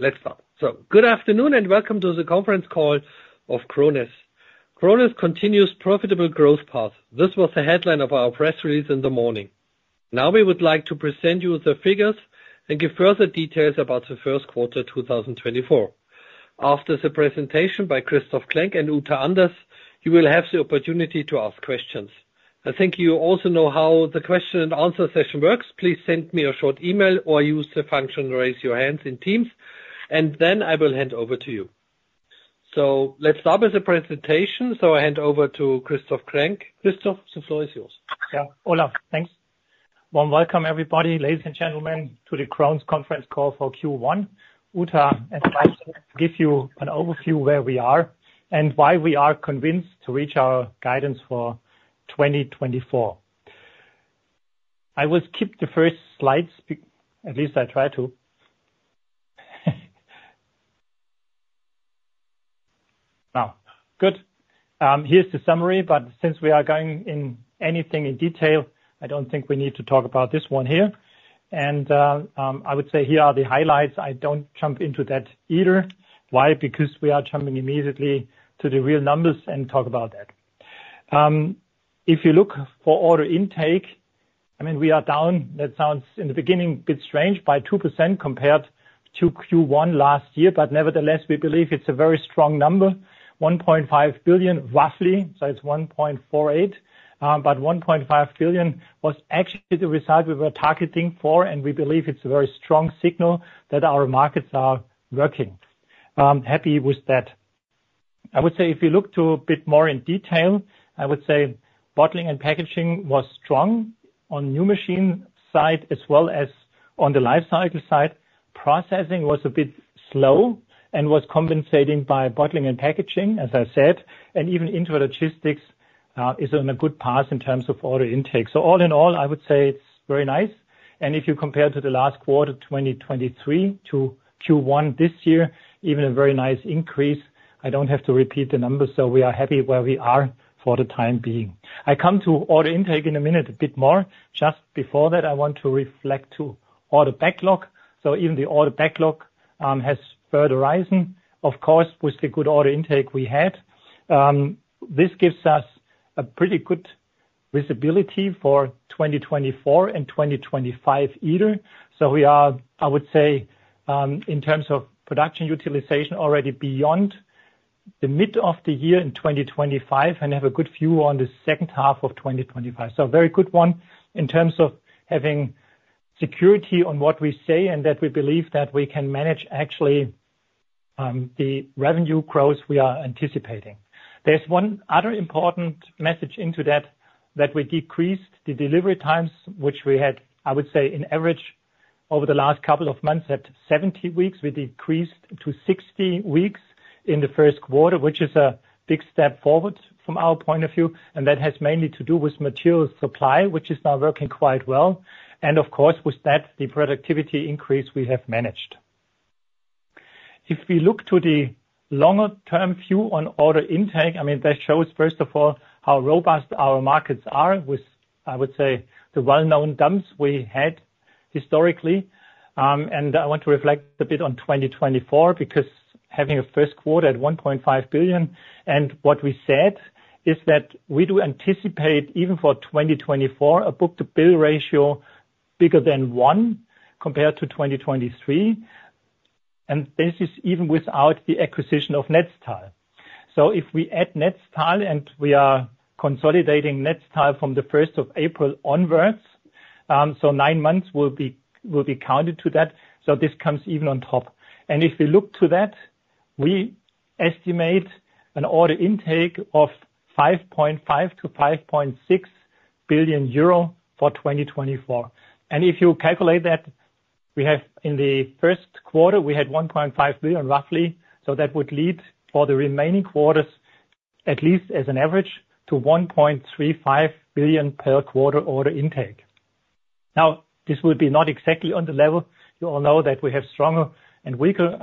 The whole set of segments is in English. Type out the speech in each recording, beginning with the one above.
Let's start. Good afternoon, and welcome to the conference call of Krones. Krones continues profitable growth path. This was the headline of our press release in the morning. Now we would like to present you with the figures and give further details about the Q1, 2024. After the presentation by Christoph Klenk and Uta Anders, you will have the opportunity to ask questions. I think you also know how the question and answer session works. Please send me a short email or use the function, Raise your Hand in Teams, and then I will hand over to you. Let's start with the presentation. I hand over to Christoph Klenk. Christoph, the floor is yours. Yeah, Olaf, thanks. Warm welcome, everybody, ladies and gentlemen, to the Krones conference call for Q1. Uta and I give you an overview where we are and why we are convinced to reach our guidance for 2024. I will skip the first slides, at least I try to. Now, good. Here's the summary, but since we are going in anything in detail, I don't think we need to talk about this one here. I would say here are the highlights. I don't jump into that either. Why? Because we are jumping immediately to the real numbers and talk about that. If you look for order intake, I mean, we are down, that sounds in the beginning, a bit strange, by 2% compared to Q1 last year, but nevertheless, we believe it's a very strong number, 1.5 billion, roughly, so it's 1.48 billion. But 1.5 billion was actually the result we were targeting for, and we believe it's a very strong signal that our markets are working. I'm happy with that. I would say if you look to a bit more in detail, I would say Bottling and Packaging was strong on new machine side as well as on the life cycle side. Processing was a bit slow and was compensating by Bottling and Packaging, as I said, and even Intralogistics is on a good path in terms of order intake. So all in all, I would say it's very nice. If you compare to the last quarter, 2023 to Q1 this year, even a very nice increase. I don't have to repeat the numbers, so we are happy where we are for the time being. I come to order intake in a minute, a bit more. Just before that, I want to reflect to order backlog. Even the order backlog has further risen, of course, with the good order intake we had. This gives us a pretty good visibility for 2024 and 2025 either. We are, I would say, in terms of production utilization, already beyond the mid of the year in 2025, and have a good view on the second half of 2025. So very good one in terms of having security on what we say and that we believe that we can manage actually, the revenue growth we are anticipating. There's one other important message into that, that we decreased the delivery times, which we had, I would say, in average over the last couple of months, at 70 weeks, we decreased to 60 weeks in the Q1, which is a big step forward from our point of view, and that has mainly to do with material supply, which is now working quite well. And of course, with that, the productivity increase we have managed. If we look to the longer-term view on order intake, I mean, that shows, first of all, how robust our markets are with, I would say, the well-known dumps we had historically. And I want to reflect a bit on 2024, because having a Q1 at 1.5 billion, and what we said is that we do anticipate, even for 2024, a book-to-bill ratio bigger than one compared to 2023, and this is even without the acquisition of Netstal. So if we add Netstal, and we are consolidating Netstal from the first of April onwards, so nine months will be counted to that. So this comes even on top. And if we look to that, we estimate an order intake of 5.5-5.6 billion euro for 2024. And if you calculate that, we have in the Q1, we had 1.5 billion, roughly, so that would lead for the remaining quarters, at least as an average, to 1.35 billion per quarter order intake. Now, this would be not exactly on the level. You all know that we have stronger and weaker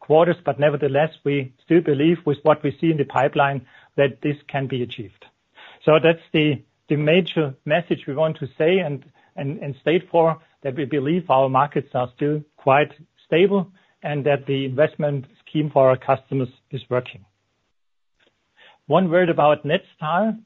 quarters, but nevertheless, we still believe with what we see in the pipeline, that this can be achieved. So that's the major message we want to say and state for, that we believe our markets are still quite stable and that the investment scheme for our customers is working. One word about Netstal.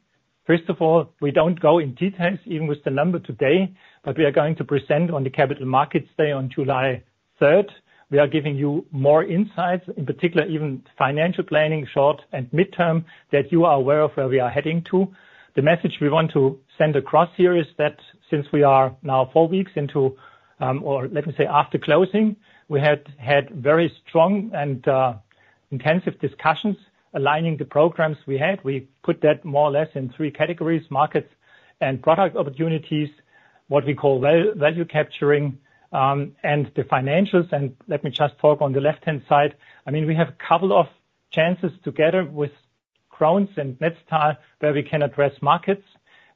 First of all, we don't go in details, even with the number today, but we are going to present on the Capital Markets Day on July third. We are giving you more insights, in particular, even financial planning, short and midterm, that you are aware of where we are heading to. The message we want to send across here is that since we are now four weeks into, or let me say, after closing, we had very strong and intensive discussions aligning the programs we had. We put that more or less in three categories: markets and product opportunities, what we call value capturing, and the financials. Let me just talk on the left-hand side. I mean, we have a couple of chances together with Krones and Netstal, where we can address markets,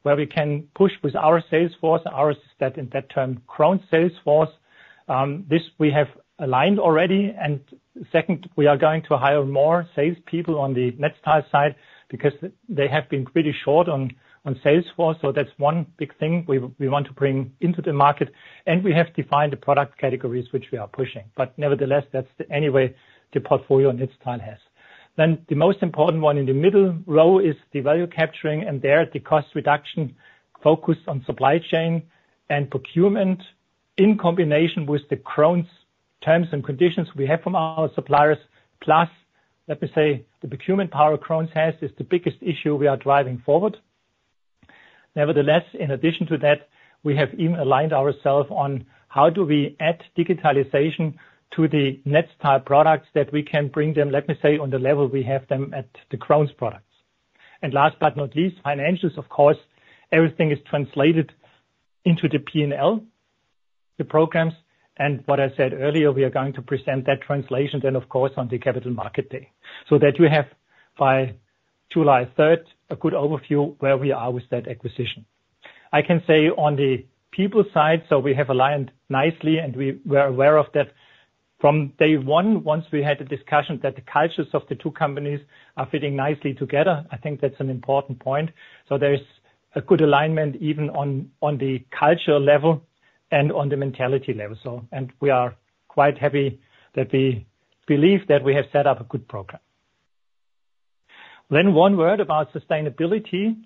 where we can push with our sales force, our, that, in that term, Krones sales force. This we have aligned already, and... Second, we are going to hire more salespeople on the Netstal side, because they have been pretty short on sales force. So that's one big thing we want to bring into the market, and we have defined the product categories which we are pushing. But nevertheless, that's the anyway the portfolio Netstal has. Then, the most important one in the middle row is the value capturing, and there, the cost reduction focused on supply chain and procurement, in combination with the Krones terms and conditions we have from our suppliers. Plus, let me say, the procurement power Krones has, is the biggest issue we are driving forward. Nevertheless, in addition to that, we have even aligned ourselves on how do we add digitalization to the Netstal products that we can bring them, let me say, on the level we have them at the Krones products. And last but not least, financials, of course, everything is translated into the P&L, the programs. And what I said earlier, we are going to present that translation then, of course, on the Capital Market Day, so that you have, by July third, a good overview where we are with that acquisition. I can say on the people side, so we have aligned nicely, and we were aware of that from day one, once we had the discussion that the cultures of the two companies are fitting nicely together. I think that's an important point. So there is a good alignment, even on the cultural level and on the mentality level. So and we are quite happy that we believe that we have set up a good program. Then one word about sustainability.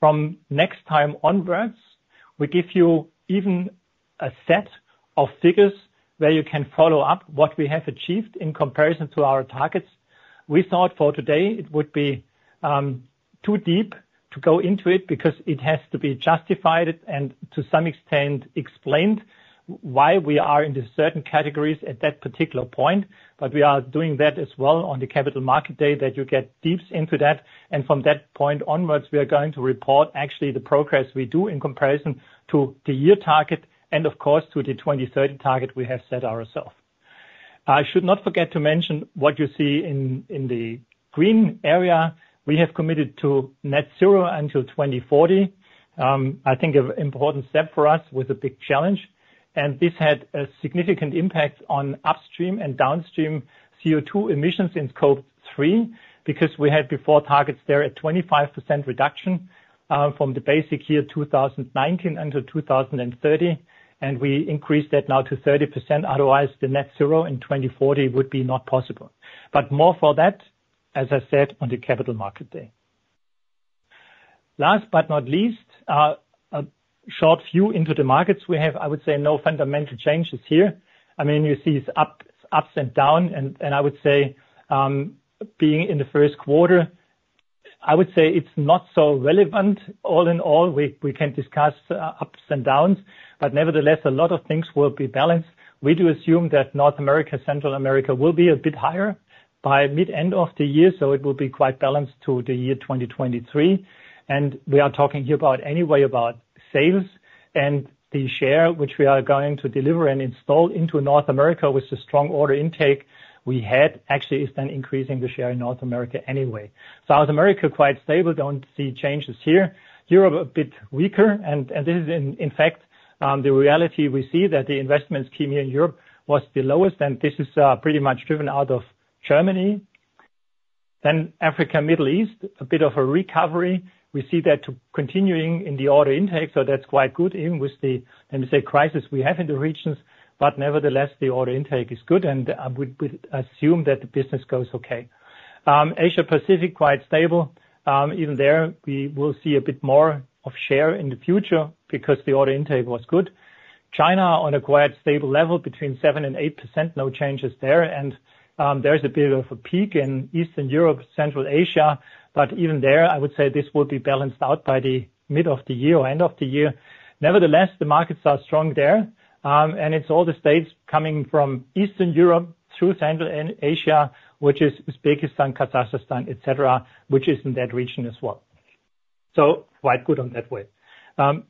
From next time onwards, we give you even a set of figures where you can follow up what we have achieved in comparison to our targets. We thought for today, it would be too deep to go into it, because it has to be justified, and to some extent explained why we are in the certain categories at that particular point. But we are doing that as well on the Capital Markets Day, that you get deep into that, and from that point onwards, we are going to report actually the progress we do in comparison to the year target, and of course, to the 2030 target we have set ourselves. I should not forget to mention what you see in the green area. We have committed to net zero until 2040. I think an important step for us with a big challenge, and this had a significant impact on upstream and downstream CO2 emissions in Scope 3, because we had before targets there, a 25% reduction, from the basic year 2019 until 2030, and we increased that now to 30%. Otherwise, the net zero in 2040 would be not possible. But more for that, as I said, on the Capital Markets Day. Last but not least, a short view into the markets we have, I would say no fundamental changes here. I mean, you see it's up, ups and downs, and, and I would say, being in the Q1, I would say it's not so relevant. All in all, we, we can discuss ups and downs, but nevertheless, a lot of things will be balanced. We do assume that North America, Central America, will be a bit higher by mid-end of the year, so it will be quite balanced to the year 2023. We are talking here about anyway, about sales and the share which we are going to deliver and install into North America, with the strong order intake we had, actually, is then increasing the share in North America anyway. South America, quite stable, don't see changes here. Europe, a bit weaker, and this is, in fact, the reality we see that the investment scheme in Europe was the lowest, and this is pretty much driven out of Germany. Then Africa, Middle East, a bit of a recovery. We see that continuing in the order intake, so that's quite good, even with the, let me say, crisis we have in the regions. Nevertheless, the order intake is good, and we assume that the business goes okay. Asia Pacific, quite stable. Even there, we will see a bit more of share in the future because the order intake was good. China, on a quite stable level, between 7% and 8%, no changes there. And there is a bit of a peak in Eastern Europe, Central Asia, but even there, I would say this will be balanced out by the mid of the year or end of the year. Nevertheless, the markets are strong there, and it's all the states coming from Eastern Europe through Central Asia, which is Uzbekistan, Kazakhstan, et cetera, which is in that region as well. So quite good on that way.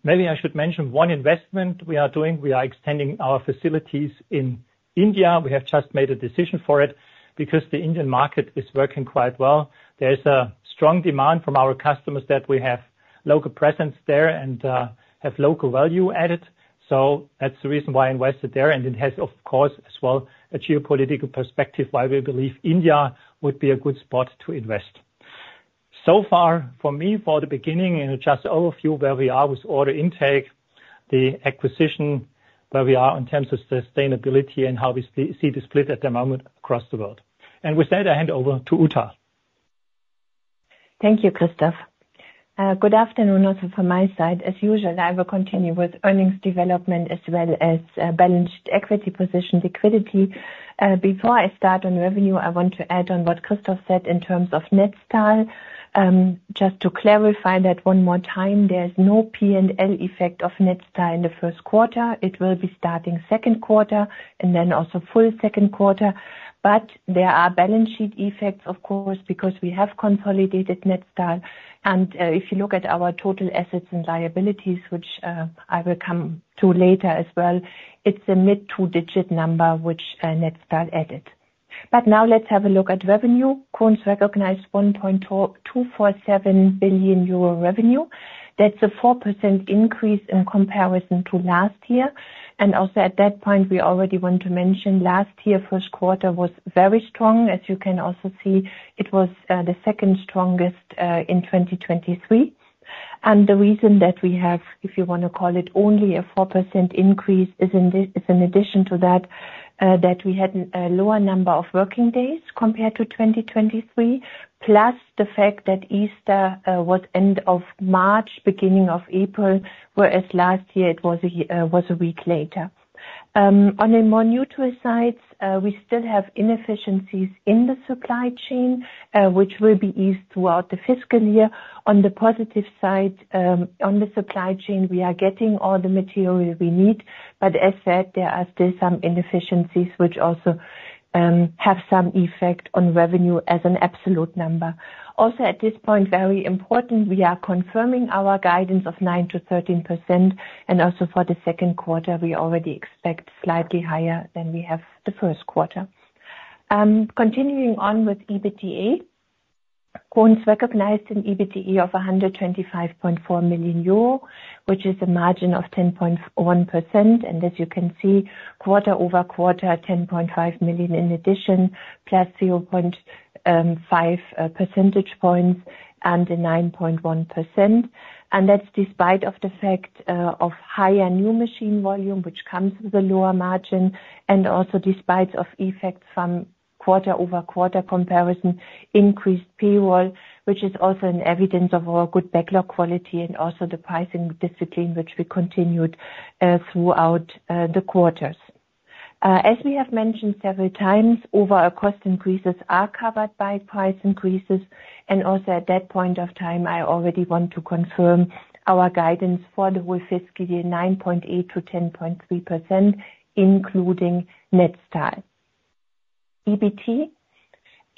Maybe I should mention one investment we are doing. We are extending our facilities in India. We have just made a decision for it, because the Indian market is working quite well. There is a strong demand from our customers that we have local presence there and have local value added, so that's the reason why I invested there. And it has, of course, as well, a geopolitical perspective, why we believe India would be a good spot to invest. So far, for me, for the beginning, and just overview where we are with order intake, the acquisition, where we are in terms of sustainability, and how we see the split at the moment across the world. And with that, I hand over to Uta. Thank you, Christoph. Good afternoon, also from my side. As usual, I will continue with earnings development as well as balance sheet, equity position, liquidity. Before I start on revenue, I want to add on what Christoph said in terms of Netstal. Just to clarify that one more time, there's no P&L effect of Netstal in the Q1. It will be starting Q2, and then also full Q2. But there are balance sheet effects, of course, because we have consolidated Netstal. If you look at our total assets and liabilities, which I will come to later as well, it's a mid-two-digit number which Netstal added. But now let's have a look at revenue. Krones recognized 1.247 billion euro revenue. That's a 4% increase in comparison to last year, and also at that point, we already want to mention last year, Q1 was very strong. As you can also see, it was the second strongest in 2023. And the reason that we have, if you wanna call it, only a 4% increase, is in addition to that, that we had a lower number of working days compared to 2023, plus the fact that Easter was end of March, beginning of April, whereas last year it was a week later. On a more neutral side, we still have inefficiencies in the supply chain, which will be eased throughout the fiscal year. On the positive side, on the supply chain, we are getting all the material we need, but as said, there are still some inefficiencies which also have some effect on revenue as an absolute number. Also, at this point, very important, we are confirming our guidance of 9%-13%, and also for the Q2, we already expect slightly higher than we have the Q1. Continuing on with EBITDA, Krones recognized an EBITDA of 125.4 million euro, which is a margin of 10.1%. As you can see, quarter-over-quarter, 10.5 million in addition, plus 0.5 percentage points and a 9.1%. That's despite the fact of higher new machine volume, which comes with a lower margin, and also despite effect from quarter-over-quarter comparison, increased payroll, which is also an evidence of our good backlog quality and also the pricing discipline which we continued throughout the quarters. As we have mentioned several times, overall cost increases are covered by price increases, and also at that point of time, I already want to confirm our guidance for the whole fiscal year, 9.8%-10.3%, including Netstal. EBT,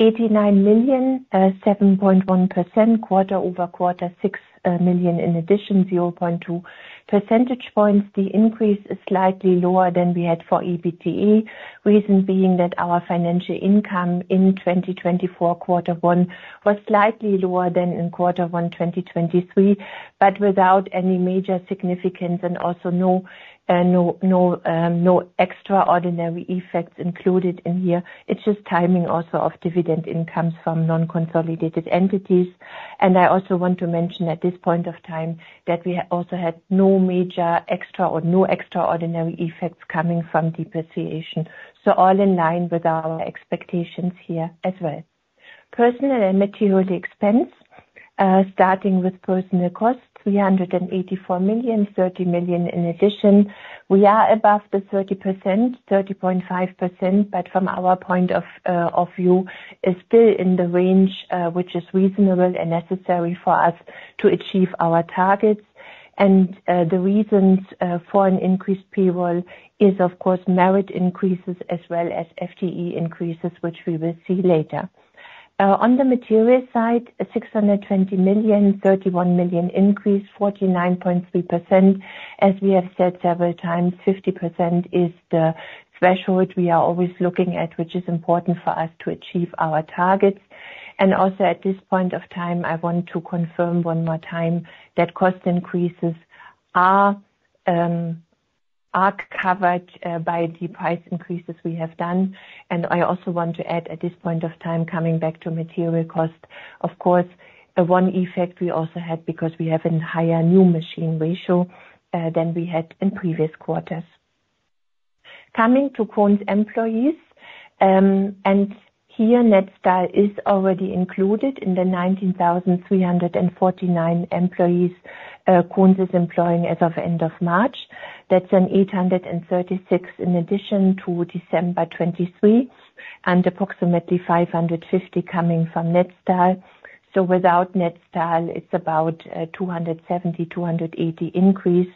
89 million, 7.1%, quarter-over-quarter, 6 million in addition, 0.2 percentage points. The increase is slightly lower than we had for EBITDA. Reason being that our financial income in 2024, quarter one, was slightly lower than in quarter one, 2023, but without any major significance and also no extraordinary effects included in here. It's just timing also of dividend incomes from non-consolidated entities. And I also want to mention at this point of time, that we also had no major extra or no extraordinary effects coming from depreciation. So all in line with our expectations here as well. Personnel and material expense, starting with personnel costs, 384 million, 30 million in addition. We are above the 30%, 30.5%, but from our point of view, is still in the range, which is reasonable and necessary for us to achieve our targets. The reasons for an increased payroll is, of course, merit increases as well as FTE increases, which we will see later. On the material side, 620 million, 31 million increase, 49.3%. As we have said several times, 50% is the threshold we are always looking at, which is important for us to achieve our targets. And also, at this point of time, I want to confirm one more time that cost increases are, are covered by the price increases we have done. And I also want to add, at this point of time, coming back to material cost, of course, one effect we also had, because we have a higher new machine ratio than we had in previous quarters. Coming to Krones employees, and here, Netstal is already included in the 19,349 employees Krones is employing as of end of March. That's an 836 in addition to December 2023, and approximately 550 coming from Netstal. So without Netstal, it's about 270-280 increase,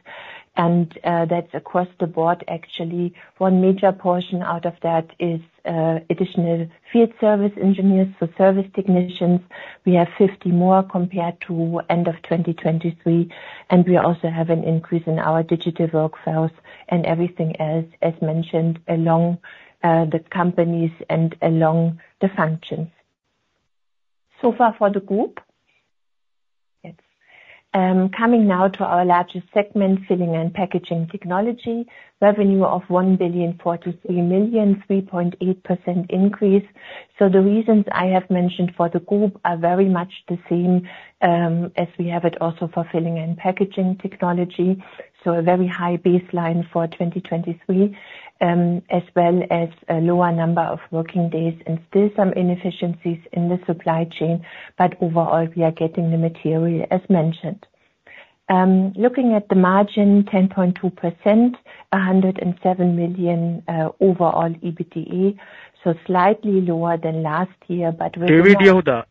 and that's across the board actually. One major portion out of that is additional field service engineers. So service technicians, we have 50 more compared to end of 2023, and we also have an increase in our digital workforce and everything else, as mentioned, along the companies and along the functions. So far for the group. Yes. Coming now to our largest segment, Filling and Packaging Technology. Revenue of 1,043 million, 3.8% increase. So the reasons I have mentioned for the group are very much the same, as we have it also for Filling and Packaging Technology. So a very high baseline for 2023, as well as a lower number of working days and still some inefficiencies in the supply chain. But overall, we are getting the material, as mentioned. Looking at the margin, 10.2%, 107 million overall EBITDA, so slightly lower than last year, but within-...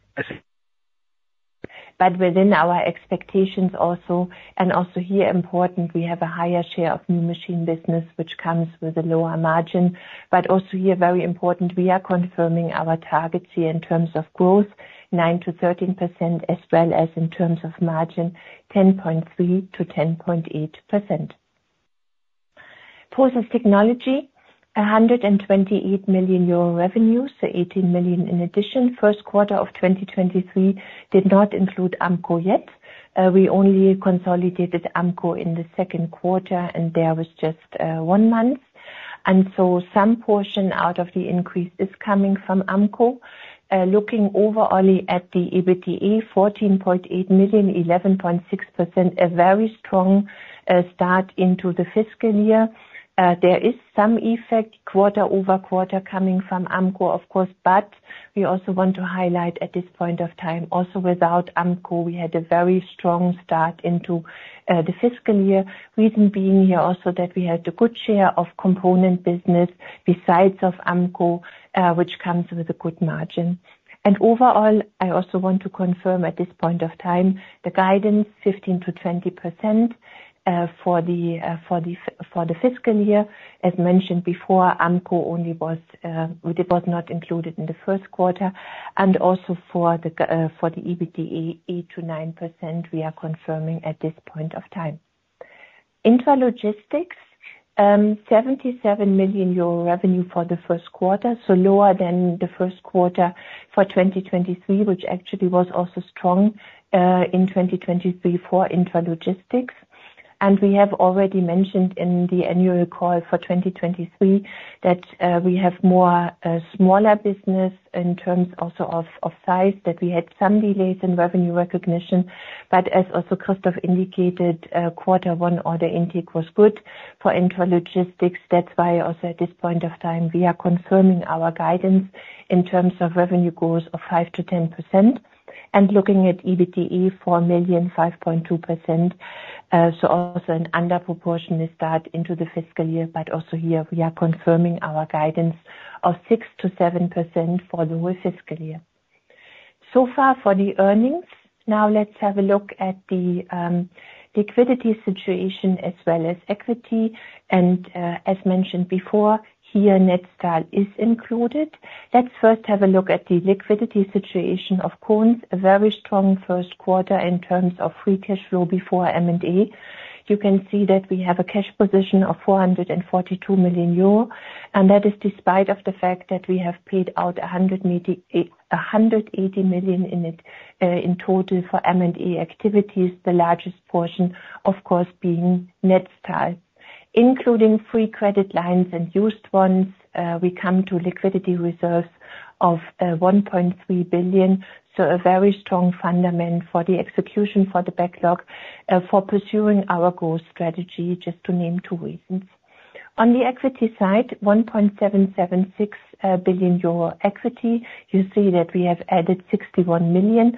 But within our expectations also. And also here, important, we have a higher share of new machine business, which comes with a lower margin. But also here, very important, we are confirming our targets here in terms of growth, 9%-13%, as well as in terms of margin, 10.3%-10.8%.... Process Technology, 128 million euro revenues, so 18 million in addition. Q1 of 2023 did not include Ampco yet. We only consolidated Ampco in the Q2, and there was just one month, and so some portion out of the increase is coming from Ampco. Looking overall at the EBIT, 14.8 million, 11.6%, a very strong start into the fiscal year. There is some effect, quarter-over-quarter, coming from Ampco, of course, but we also want to highlight at this point of time, also, without Ampco, we had a very strong start into the fiscal year. Reason being here also, that we had a good share of component business besides of Ampco, which comes with a good margin. And overall, I also want to confirm at this point of time, the guidance 15%-20% for the fiscal year. As mentioned before, Ampco only was, it was not included in the Q1, and also for the EBIT, 8%-9%, we are confirming at this point of time. Intralogistics, 77 million euro revenue for the Q1, so lower than the Q1 for 2023, which actually was also strong in 2023 for Intralogistics. And we have already mentioned in the annual call for 2023, that we have more smaller business in terms also of size, that we had some delays in revenue recognition. But as also Christoph indicated, quarter one order intake was good for Intralogistics. That's why also at this point of time, we are confirming our guidance in terms of revenue growth of 5%-10%, and looking at EBIT, 4 million, 5.2%. So also an under proportionate start into the fiscal year, but also here we are confirming our guidance of 6%-7% for the whole fiscal year. So far for the earnings. Now let's have a look at the liquidity situation as well as equity. As mentioned before, here, Netstal is included. Let's first have a look at the liquidity situation of Krones. A very strong Q1 in terms of free cash flow before M&A. You can see that we have a cash position of 442 million euro, and that is despite of the fact that we have paid out 180 million in it in total for M&A activities, the largest portion, of course, being Netstal. Including free credit lines and used ones, we come to liquidity reserves of 1.3 billion, so a very strong fundament for the execution for the backlog for pursuing our growth strategy, just to name two reasons. On the equity side, 1.776 billion euro equity. You see that we have added 61 million.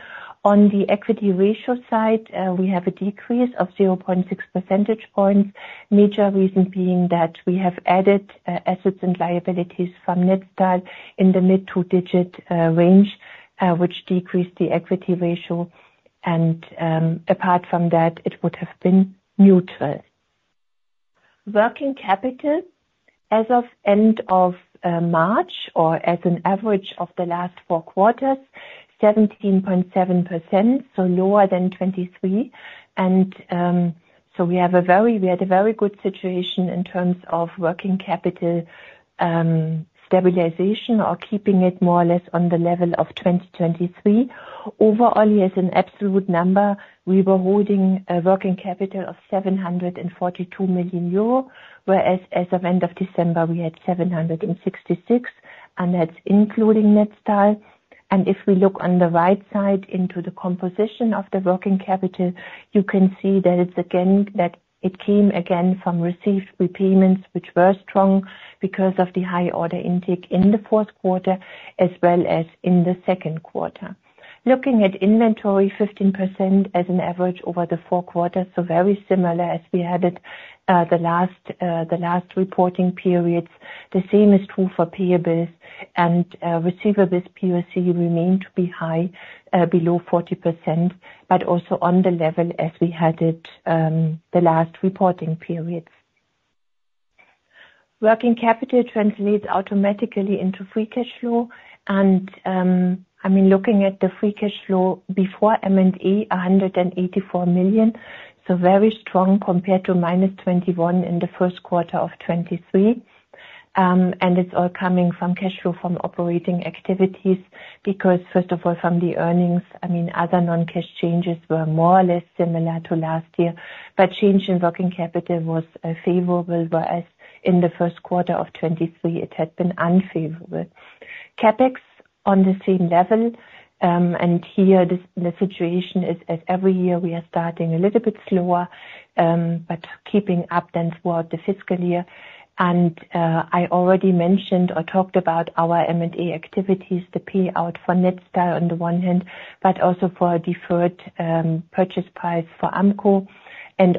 On the equity ratio side, we have a decrease of 0.6 percentage points. Major reason being that we have added assets and liabilities from Netstal in the mid-two digit range, which decreased the equity ratio, and apart from that, it would have been neutral. Working capital, as of end of March or as an average of the last four quarters, 17.7%, so lower than 23%. So we have a very-- we had a very good situation in terms of working capital stabilization or keeping it more or less on the level of 2023. Overall, as an absolute number, we were holding a working capital of 742 million euro, whereas as of end of December, we had 766 million, and that's including Netstal. If we look on the right side into the composition of the working capital, you can see that it's again, that it came again from received repayments, which were strong because of the high order intake in the Q4, as well as in the Q2. Looking at inventory, 15% as an average over the four quarters, so very similar as we had it, the last reporting periods. The same is true for payables and receivables. POC remain to be high, below 40%, but also on the level as we had it, the last reporting periods. Working capital translates automatically into free cash flow, and, I mean, looking at the free cash flow before M&A, 184 million, so very strong compared to -21 million in the Q1 of 2023. And it's all coming from cash flow from operating activities, because, first of all, from the earnings, I mean, other non-cash changes were more or less similar to last year, but change in working capital was favorable, whereas in the Q1 of 2023, it had been unfavorable. CapEx on the same level, and here, the situation is, as every year, we are starting a little bit slower, but keeping up then toward the fiscal year. And I already mentioned or talked about our M&A activities, the payout for Netstal on the one hand, but also for a deferred purchase price for Ampco.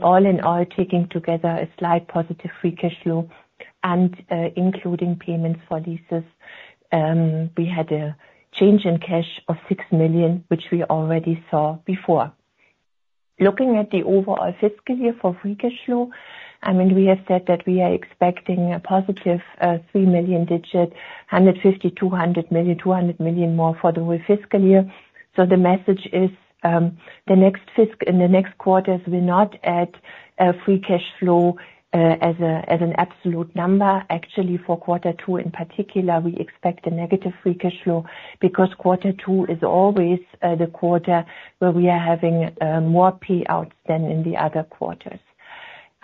All in all, taking together a slight positive free cash flow and including payments for leases, we had a change in cash of 6 million, which we already saw before. Looking at the overall fiscal year for free cash flow, I mean, we have said that we are expecting a positive three-digit million, 150 million-200 million, 200 million more for the whole fiscal year. So the message is, in the next quarters, we not add free cash flow as an absolute number. Actually, for quarter two, in particular, we expect a negative free cash flow, because quarter two is always the quarter where we are having more payouts than in the other quarters.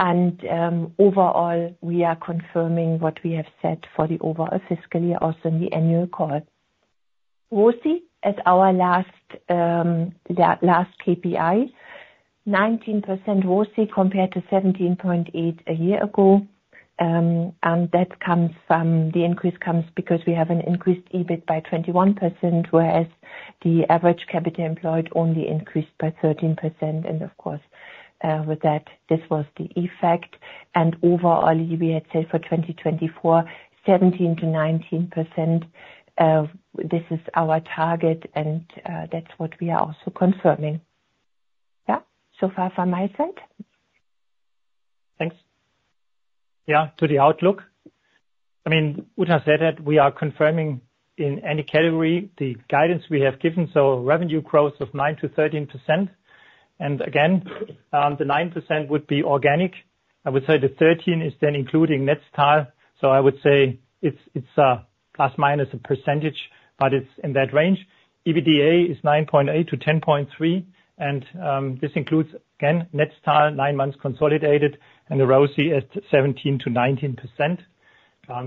Overall, we are confirming what we have said for the overall fiscal year, also in the annual call. ROCE, at our last, yeah, last KPI, 19% ROCE compared to 17.8% a year ago, and that comes from, the increase comes because we have an increased EBIT by 21%, whereas the average capital employed only increased by 13%. Of course, with that, this was the effect. Overall, we had said for 2024, 17%-19%, this is our target, and that's what we are also confirming. Yeah, so far from my side. Thanks. Yeah, to the outlook, I mean, Uta said that we are confirming in any category the guidance we have given, so revenue growth of 9%-13%. And again, the 9% would be organic. I would say the 13% is then including Netstal. So I would say it's ± a percentage, but it's in that range. EBITDA is 9.8%-10.3%, and this includes, again, Netstal, nine months consolidated, and the ROCE at 17%-19%.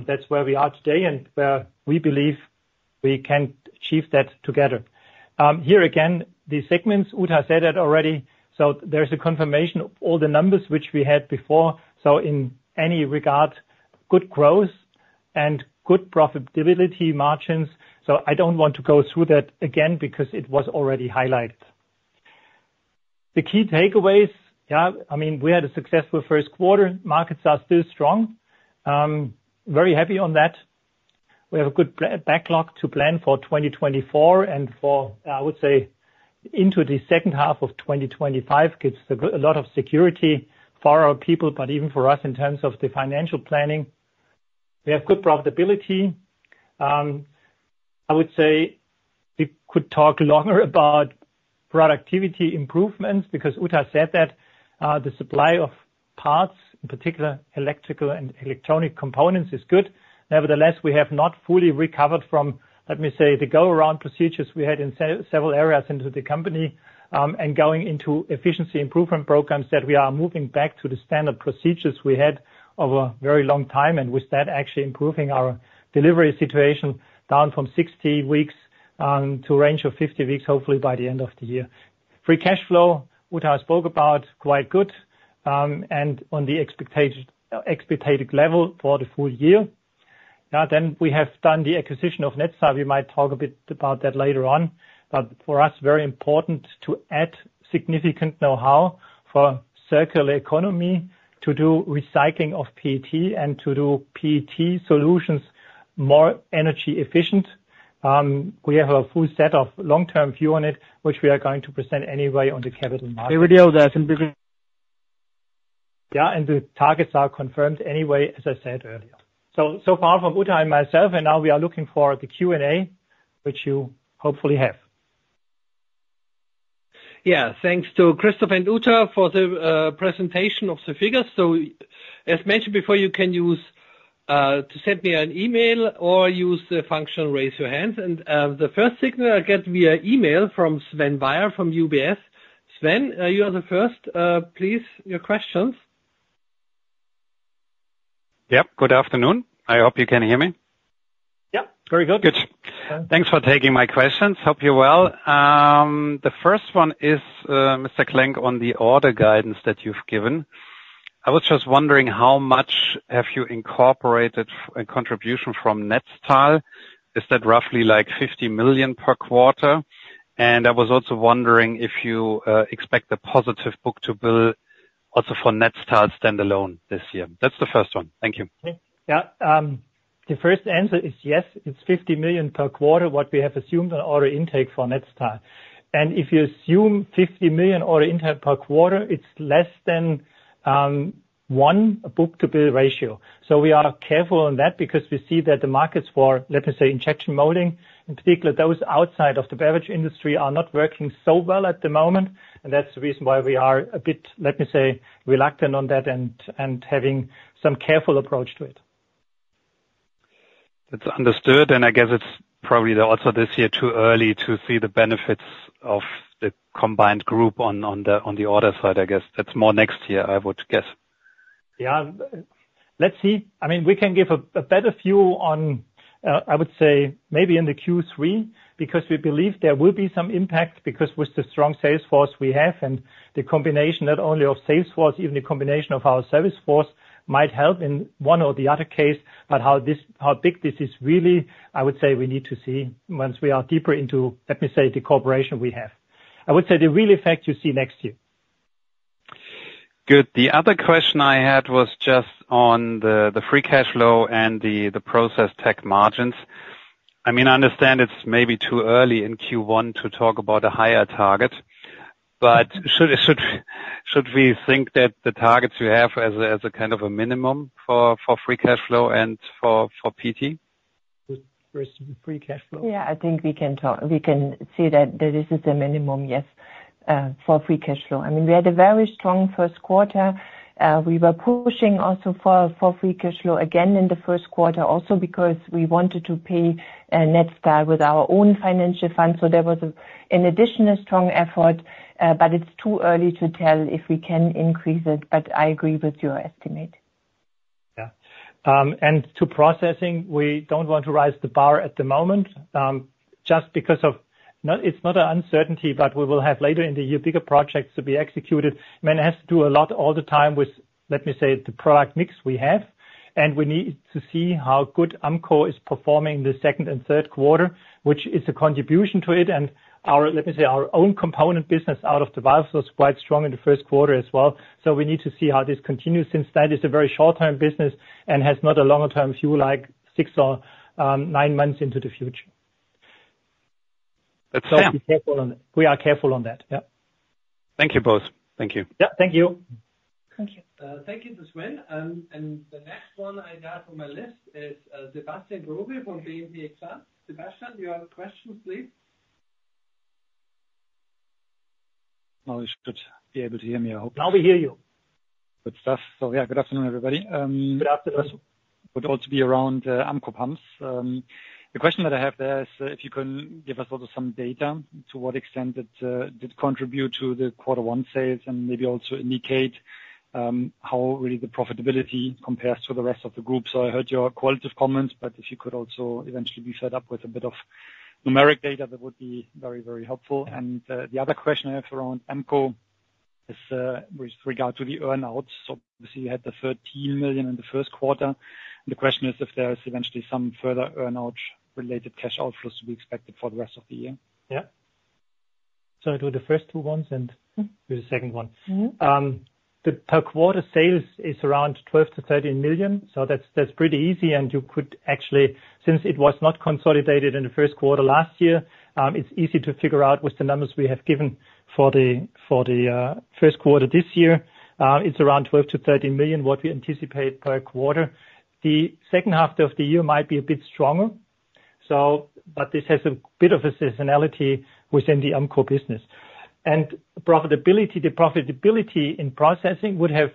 That's where we are today, and we believe we can achieve that together. Here, again, the segments, Uta said it already, so there's a confirmation of all the numbers which we had before. So in any regard, good growth and good profitability margins. So I don't want to go through that again because it was already highlighted. The key takeaways, yeah, I mean, we had a successful Q1. Markets are still strong. Very happy on that. We have a good backlog to plan for 2024 and for, I would say, into the second half of 2025. Gives a lot of security for our people, but even for us, in terms of the financial planning. We have good profitability. I would say we could talk longer about productivity improvements, because Uta said that, the supply of parts, in particular electrical and electronic components, is good. Nevertheless, we have not fully recovered from, let me say, the go-around procedures we had in several areas into the company, and going into efficiency improvement programs, that we are moving back to the standard procedures we had over a very long time, and with that, actually improving our delivery situation down from 60 weeks to a range of 50 weeks, hopefully by the end of the year. Free cash flow, Uta spoke about, quite good, and on the expected level for the full year. Now, then, we have done the acquisition of Netstal. We might talk a bit about that later on, but for us, very important to add significant know-how for circular economy, to do recycling of PET, and to do PET solutions more energy efficient. We have a full set of long-term view on it, which we are going to present anyway on the capital market. The video that's in between- Yeah, and the targets are confirmed anyway, as I said earlier. So, so far from Uta and myself, and now we are looking for the Q&A, which you hopefully have. Yeah, thanks to Christoph and Uta for the presentation of the figures. So as mentioned before, you can use to send me an email or use the function, Raise your Hand. And the first signal I get via email from Sven Weier, from UBS. Sven, you are the first, please, your questions. Yep. Good afternoon. I hope you can hear me. Yep, very good. Good. Thanks for taking my questions. Hope you're well. The first one is, Mr. Klenk, on the order guidance that you've given. I was just wondering how much have you incorporated a contribution from Netstal? Is that roughly like 50 million per quarter? And I was also wondering if you expect a positive book-to-bill, also for Netstal standalone this year. That's the first one. Thank you. Yeah. The first answer is yes, it's 50 million per quarter, what we have assumed an order intake for Netstal. And if you assume 50 million order intake per quarter, it's less than one book-to-bill ratio. So we are careful on that because we see that the markets for, let me say, injection molding, in particular, those outside of the beverage industry, are not working so well at the moment. And that's the reason why we are a bit, let me say, reluctant on that and having some careful approach to it. It's understood, and I guess it's probably also this year too early to see the benefits of the combined group on the order side, I guess. That's more next year, I would guess. Yeah. Let's see. I mean, we can give a better view on, I would say maybe in the Q3, because we believe there will be some impact, because with the strong sales force we have and the combination not only of sales force, even the combination of our service force, might help in one or the other case. But how this, how big this is really, I would say we need to see once we are deeper into, let me say, the cooperation we have. I would say the real effect you see next year.... Good. The other question I had was just on the free cash flow and the process tech margins. I mean, I understand it's maybe too early in Q1 to talk about a higher target, but should we think that the targets you have as a kind of a minimum for free cash flow and for PT? The first free cash flow? Yeah, I think we can say that, that this is the minimum, yes, for free cash flow. I mean, we had a very strong Q1. We were pushing also for, for free cash flow again in the Q1, also because we wanted to pay Netstal with our own financial funds. So there was a, an additional strong effort, but it's too early to tell if we can increase it, but I agree with your estimate. Yeah. And to processing, we don't want to raise the bar at the moment, just because it's not an uncertainty, but we will have later in the year bigger projects to be executed. I mean, it has to do a lot all the time with, let me say, the product mix we have, and we need to see how good Ampco is performing the second and Q3, which is a contribution to it. And our, let me say, our own component business out of the valve was quite strong in the Q1 as well. So we need to see how this continues, since that is a very short-term business and has not a longer term, if you like, six or nine months into the future. That's all. We are careful on it. We are careful on that. Yep. Thank you, both. Thank you. Yeah, thank you. Thank you. Thank you, Sven. The next one I have on my list is Sebastian Ruby from BNP Paribas Exane. Sebastian, your questions, please. Well, you should be able to hear me, I hope. Now we hear you. Good stuff. So, yeah, good afternoon, everybody. Good afternoon. Would also be around Ampco pumps. The question that I have there is if you can give us also some data, to what extent it did contribute to the quarter one sales, and maybe also indicate how really the profitability compares to the rest of the group. So I heard your qualitative comments, but if you could also eventually be set up with a bit of numeric data, that would be very, very helpful. And the other question I have around Ampco is with regard to the earn-outs. So obviously, you had the 13 million in the Q1. The question is if there is eventually some further earn-out related cash outflows to be expected for the rest of the year? Yeah. So do the first two ones and do the second one. Mm-hmm. The per quarter sales is around 12 million-13 million, so that's pretty easy. And you could actually, since it was not consolidated in the Q1 last year, it's easy to figure out with the numbers we have given for the Q1 this year. It's around 12 million-13 million, what we anticipate per quarter. The second half of the year might be a bit stronger, so, but this has a bit of a seasonality within the Ampco business. And profitability, the profitability in processing would have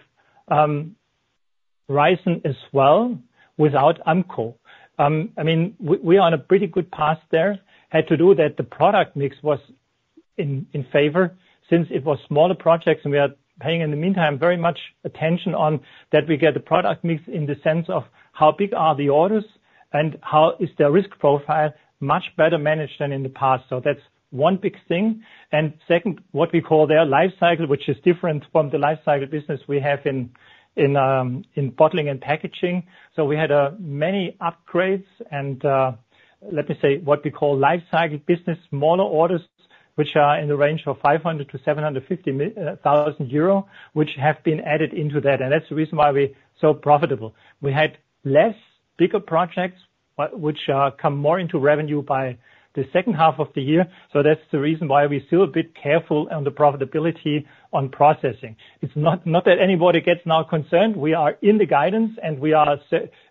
risen as well without Ampco. I mean, we are on a pretty good path there. Had to do that the product mix was in favor since it was smaller projects, and we are paying, in the meantime, very much attention on that we get the product mix in the sense of how big are the orders, and how is their risk profile much better managed than in the past. So that's one big thing. And second, what we call their life cycle, which is different from the life cycle business we have in bottling and packaging. So we had many upgrades and, let me say, what we call life cycle business, smaller orders, which are in the range of 500-750 thousand euro, which have been added into that, and that's the reason why we're so profitable. We had less bigger projects, but which come more into revenue by the second half of the year. So that's the reason why we're still a bit careful on the profitability on processing. It's not, not that anybody gets now concerned. We are in the guidance, and we are.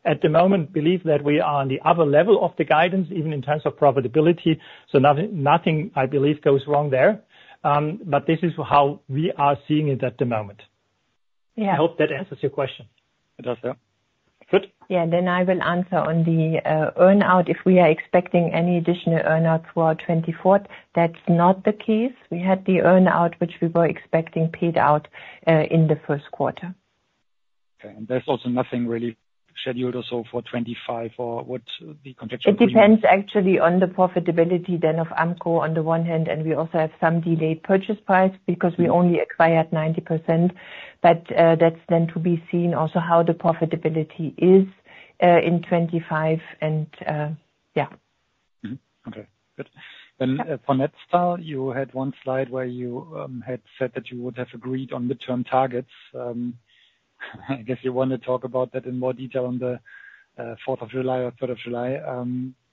At the moment, believe that we are on the upper level of the guidance, even in terms of profitability. So nothing, nothing, I believe, goes wrong there. But this is how we are seeing it at the moment. Yeah. I hope that answers your question. It does, yeah. Good. Yeah, then I will answer on the earn out. If we are expecting any additional earn out for 2024, that's not the case. We had the earn out, which we were expecting, paid out in the Q1. Okay. And there's also nothing really scheduled also for 2025, or what the contractual- It depends actually on the profitability then of Ampco on the one hand, and we also have some delayed purchase price because we only acquired 90%. But that's then to be seen also how the profitability is in 2025, and yeah. Mm-hmm. Okay. Good. Then, for Netstal, you had one slide where you had said that you would have agreed on midterm targets. I guess you want to talk about that in more detail on the fourth of July or third of July.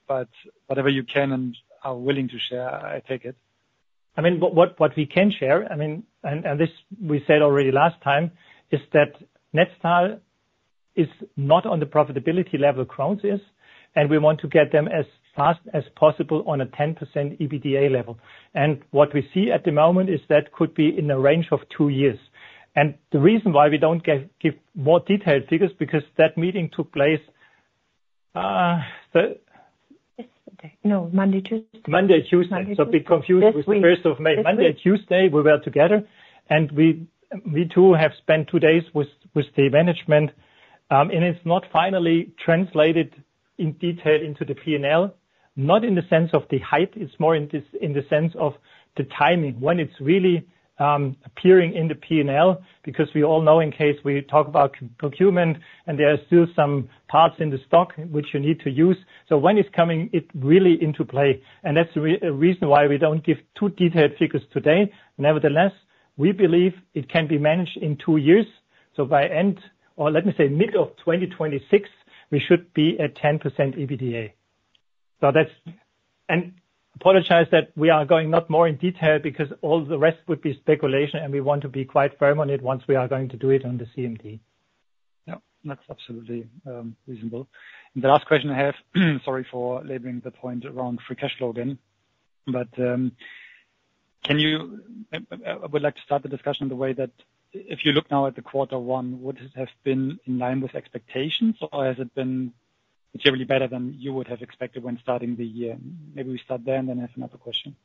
But whatever you can and are willing to share, I take it. I mean, what we can share, I mean, and this we said already last time, is that Netstal is not on the profitability level Krones is, and we want to get them as fast as possible on a 10% EBITDA level. And what we see at the moment is that could be in a range of two years. And the reason why we don't give more detailed figures, because that meeting took place, the- Yes, okay. No, Monday, Tuesday. Monday, Tuesday. Monday, Tuesday. A bit confused- This week. With the first of May. Monday, Tuesday, we were together, and we, we too have spent two days with the management, and it's not finally translated in detail into the P&L. Not in the sense of the height, it's more in the sense of the timing, when it's really appearing in the P&L. Because we all know in case we talk about procurement, and there are still some parts in the stock which you need to use. So when it's coming, it really into play. And that's the reason why we don't give too detailed figures today. Nevertheless, we believe it can be managed in two years. So by end, or let me say mid of 2026, we should be at 10% EBITDA. So that's it, and I apologize that we are not going more in detail, because all the rest would be speculation, and we want to be quite firm on it once we are going to do it on the CMD. Yeah, that's absolutely reasonable. The last question I have, sorry for laboring the point around free cash flow again, but, can you, I would like to start the discussion the way that if you look now at the quarter one, would it have been in line with expectations, or has it been generally better than you would have expected when starting the year? Maybe we start there, and then I have another question.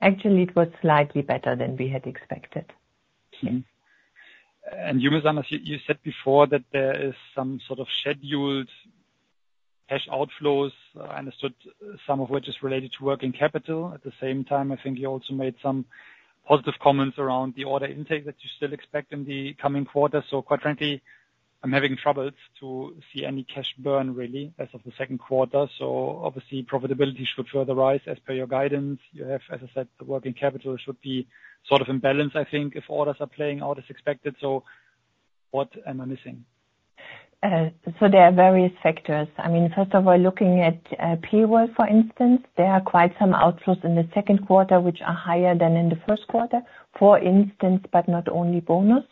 Actually, it was slightly better than we had expected. Yes. And you, Ms. Anders, you, you said before that there is some sort of scheduled cash outflows. I understood some of which is related to working capital. At the same time, I think you also made some positive comments around the order intake that you still expect in the coming quarters. So quite frankly, I'm having troubles to see any cash burn really, as of the Q2. So obviously, profitability should further rise as per your guidance. You have, as I said, the working capital should be sort of in balance, I think, if orders are playing out as expected. So what am I missing? So there are various factors. I mean, first of all, looking at payroll, for instance, there are quite some outflows in the Q2, which are higher than in the Q1, for instance, but not only bonus.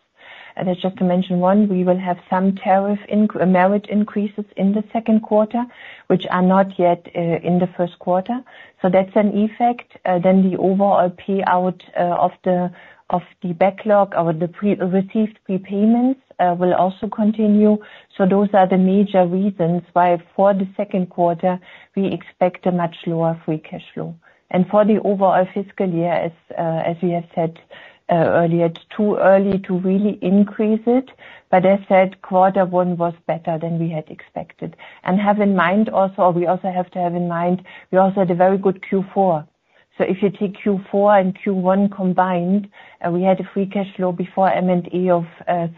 And just to mention one, we will have some wage increases in the Q2, which are not yet in the Q1. So that's an effect. Then the overall payout of the backlog or the pre-received prepayments will also continue. So those are the major reasons why for the Q2, we expect a much lower free cash flow. And for the overall fiscal year, as we have said earlier, it's too early to really increase it. But as I said, quarter one was better than we had expected. And have in mind also, we also have to have in mind, we also had a very good Q4. So if you take Q4 and Q1 combined, we had a free cash flow before M&E of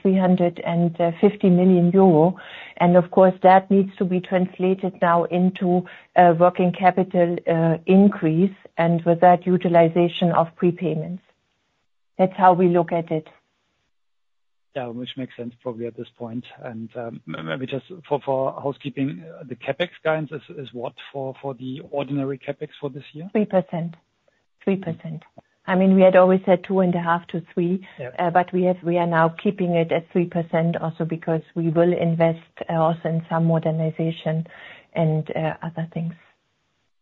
350 million euro. And of course, that needs to be translated now into a working capital increase, and with that, utilization of prepayments. That's how we look at it. Yeah, which makes sense probably at this point. And, maybe just for housekeeping, the CapEx guidance is what for the ordinary CapEx for this year? 3%. 3%. I mean, we had always said 2.5%-3%. Yeah. But we have, we are now keeping it at 3% also because we will invest also in some modernization and other things.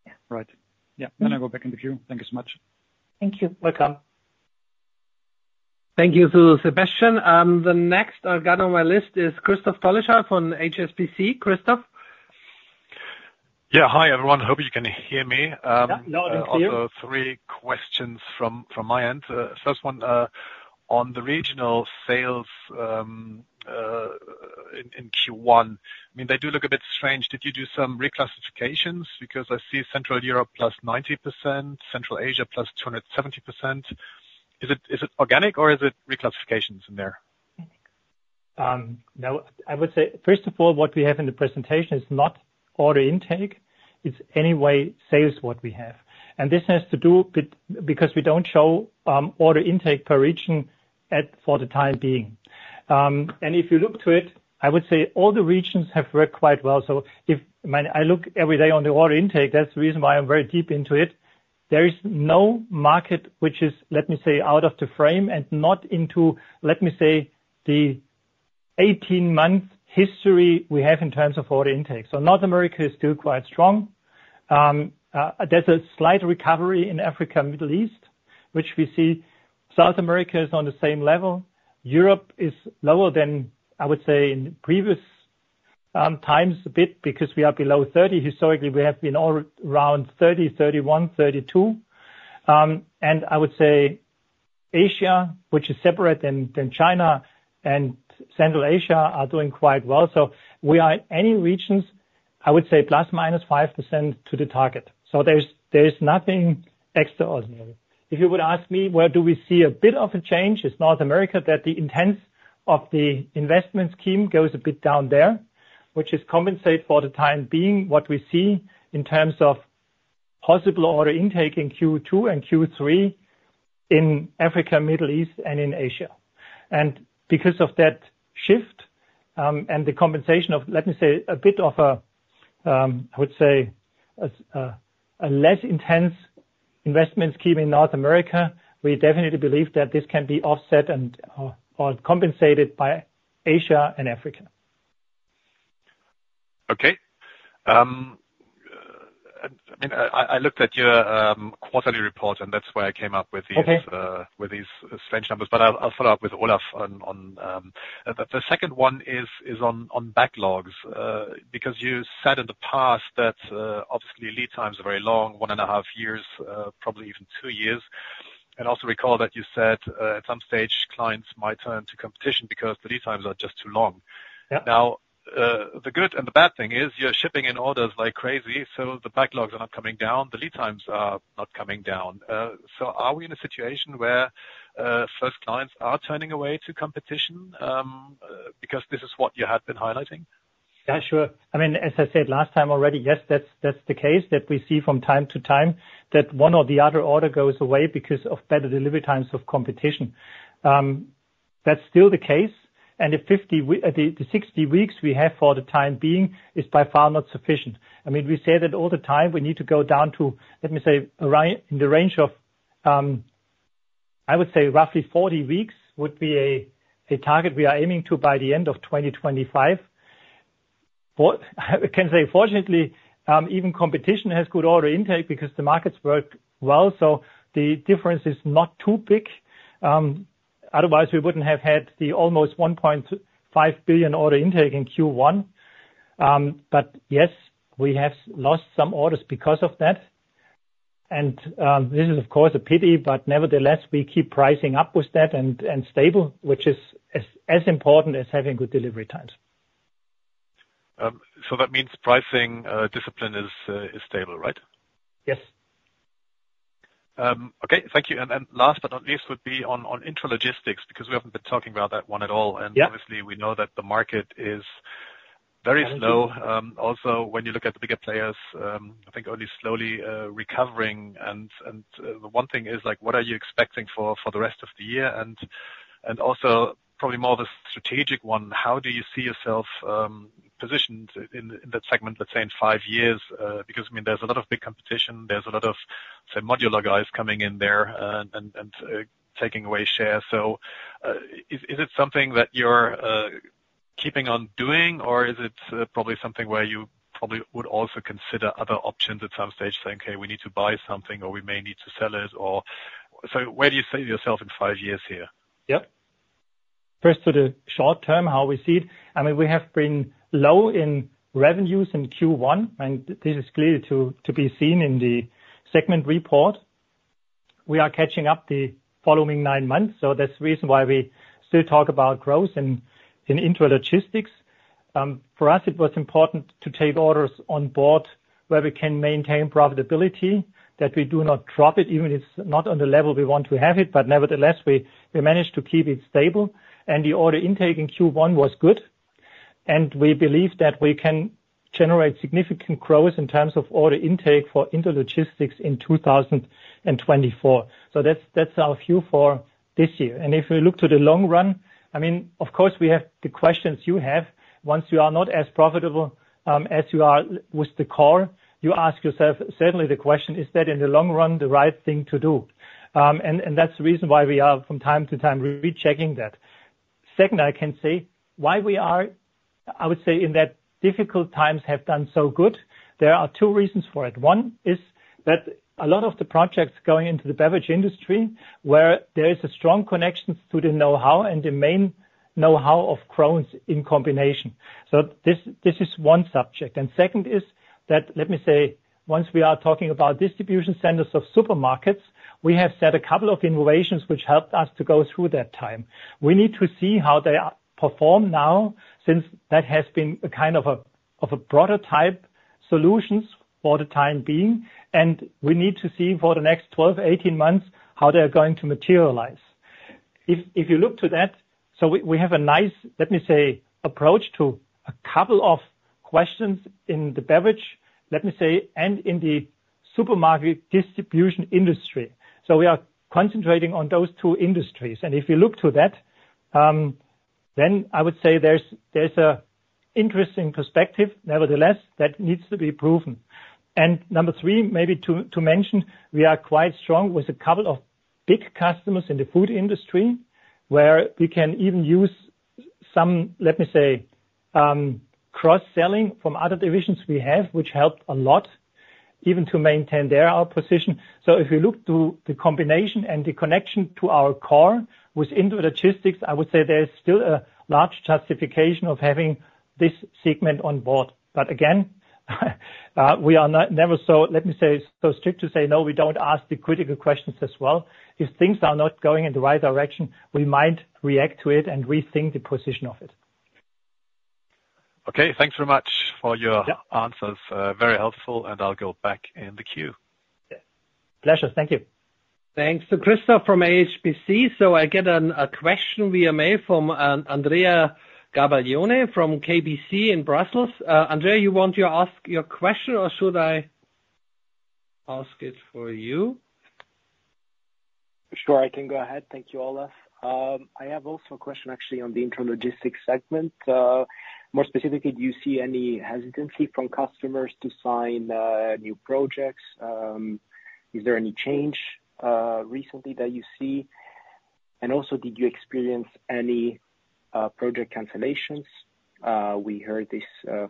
Yeah. Right. Yeah. Then I go back in the queue. Thank you so much. Thank you. Welcome. Thank you to Sebastian. The next I've got on my list is Christoph Dolleschal from HSBC. Christoph? Yeah. Hi, everyone. Hope you can hear me. Yeah, loud and clear. Also three questions from my end. First one on the regional sales in Q1. I mean, they do look a bit strange. Did you do some reclassifications? Because I see Central Europe plus 90%, Central Asia plus 270%. Is it organic or is it reclassifications in there? Now, I would say, first of all, what we have in the presentation is not order intake, it's anyway sales what we have. And this has to do with, because we don't show order intake per region at, for the time being. And if you look to it, I would say all the regions have worked quite well. So if, when I look every day on the order intake, that's the reason why I'm very deep into it. There is no market which is, let me say, out of the frame and not into, let me say, the 18-month history we have in terms of order intake. So North America is still quite strong. There's a slight recovery in Africa and Middle East, which we see. South America is on the same level. Europe is lower than, I would say, in previous times a bit, because we are below 30. Historically, we have been all around 30, 31, 32. And I would say Asia, which is separate than China and Central Asia, are doing quite well. So we are in any regions, I would say ±5% to the target. So there's nothing extraordinary. If you would ask me, where do we see a bit of a change? It's North America, that the intense of the investment scheme goes a bit down there, which is compensate for the time being, what we see in terms of possible order intake in Q2 and Q3 in Africa, Middle East and in Asia. And because of that shift and the compensation of, let me say, a bit of a, I would say, less intense investment scheme in North America, we definitely believe that this can be offset or compensated by Asia and Africa. Okay. I looked at your quarterly report, and that's why I came up with these- Okay. - with these strange numbers, but I'll follow up with Olaf on... The second one is on backlogs, because you said in the past that, obviously, lead times are very long, 1.5 years, probably even 2 years. And also recall that you said, at some stage, clients might turn to competition because the lead times are just too long. Yeah. Now, the good and the bad thing is, you're shipping in orders like crazy, so the backlogs are not coming down, the lead times are not coming down. So are we in a situation where first clients are turning away to competition? Because this is what you had been highlighting.... Yeah, sure. I mean, as I said last time already, yes, that's, that's the case that we see from time to time, that one or the other order goes away because of better delivery times of competition. That's still the case, and the 60 weeks we have for the time being is by far not sufficient. I mean, we say that all the time, we need to go down to, let me say, around, in the range of, I would say roughly 40 weeks would be a target we are aiming to by the end of 2025. But I can say fortunately, even competition has good order intake because the markets work well, so the difference is not too big. Otherwise, we wouldn't have had the almost 1.5 billion order intake in Q1. But yes, we have lost some orders because of that, and this is, of course, a pity, but nevertheless, we keep pricing up with that and stable, which is as important as having good delivery times. So that means pricing discipline is stable, right? Yes. Okay, thank you. And last but not least, would be on intralogistics, because we haven't been talking about that one at all. Yeah. And obviously, we know that the market is very slow. Also, when you look at the bigger players, I think only slowly recovering. The one thing is, like, what are you expecting for the rest of the year? And also probably more of a strategic one, how do you see yourself positioned in that segment, let's say, in five years? Because, I mean, there's a lot of big competition, there's a lot of, say, modular guys coming in there, taking away share. So, is it something that you're keeping on doing, or is it probably something where you probably would also consider other options at some stage, saying, "Hey, we need to buy something, or we may need to sell it," or... Where do you see yourself in five years here? Yep. First, to the short term, how we see it, I mean, we have been low in revenues in Q1, and this is clear to be seen in the segment report. We are catching up the following nine months, so that's the reason why we still talk about growth in Intralogistics. For us, it was important to take orders on board where we can maintain profitability, that we do not drop it, even if it's not on the level we want to have it, but nevertheless, we managed to keep it stable. And the order intake in Q1 was good, and we believe that we can generate significant growth in terms of order intake for Intralogistics in 2024. So that's our view for this year. And if we look to the long run, I mean, of course, we have the questions you have. Once you are not as profitable as you are with the core, you ask yourself, certainly the question: Is that, in the long run, the right thing to do? And that's the reason why we are, from time to time, rechecking that. Second, I can say, why we are, I would say, in that difficult times, have done so good; there are two reasons for it. One is that a lot of the projects going into the beverage industry, where there is a strong connection to the know-how and the main know-how of Krones in combination. So this is one subject. And second is that, let me say, once we are talking about distribution centers of supermarkets, we have set a couple of innovations which helped us to go through that time. We need to see how they are performed now, since that has been a kind of prototype solutions for the time being, and we need to see for the next 12, 18 months, how they are going to materialize. If you look to that, so we have a nice, let me say, approach to a couple of questions in the beverage, let me say, and in the supermarket distribution industry. So we are concentrating on those two industries. And if you look to that, then I would say there's a interesting perspective. Nevertheless, that needs to be proven. And number three, maybe to mention, we are quite strong with a couple of big customers in the food industry, where we can even use some, let me say, cross-selling from other divisions we have, which helped a lot, even to maintain their position. So if you look to the combination and the connection to our core with intralogistics, I would say there is still a large justification of having this segment on board. But again, we are never so, let me say, so strict to say, "No, we don't ask the critical questions as well." If things are not going in the right direction, we might react to it and rethink the position of it. Okay, thanks very much for your- Yeah. Answers. Very helpful, and I'll go back in the queue. Yeah. Pleasure. Thank you. Thanks to Christoph Dolleschal from HSBC. So I get a question via me from Andrea Gabellone from KBC in Brussels. Andrea, you want to ask your question, or should I ask it for you? Sure, I can go ahead. Thank you, Olaf. I have also a question actually on the intralogistics segment. More specifically, do you see any hesitancy from customers to sign new projects? Is there any change recently that you see? And also, did you experience any project cancellations? We heard this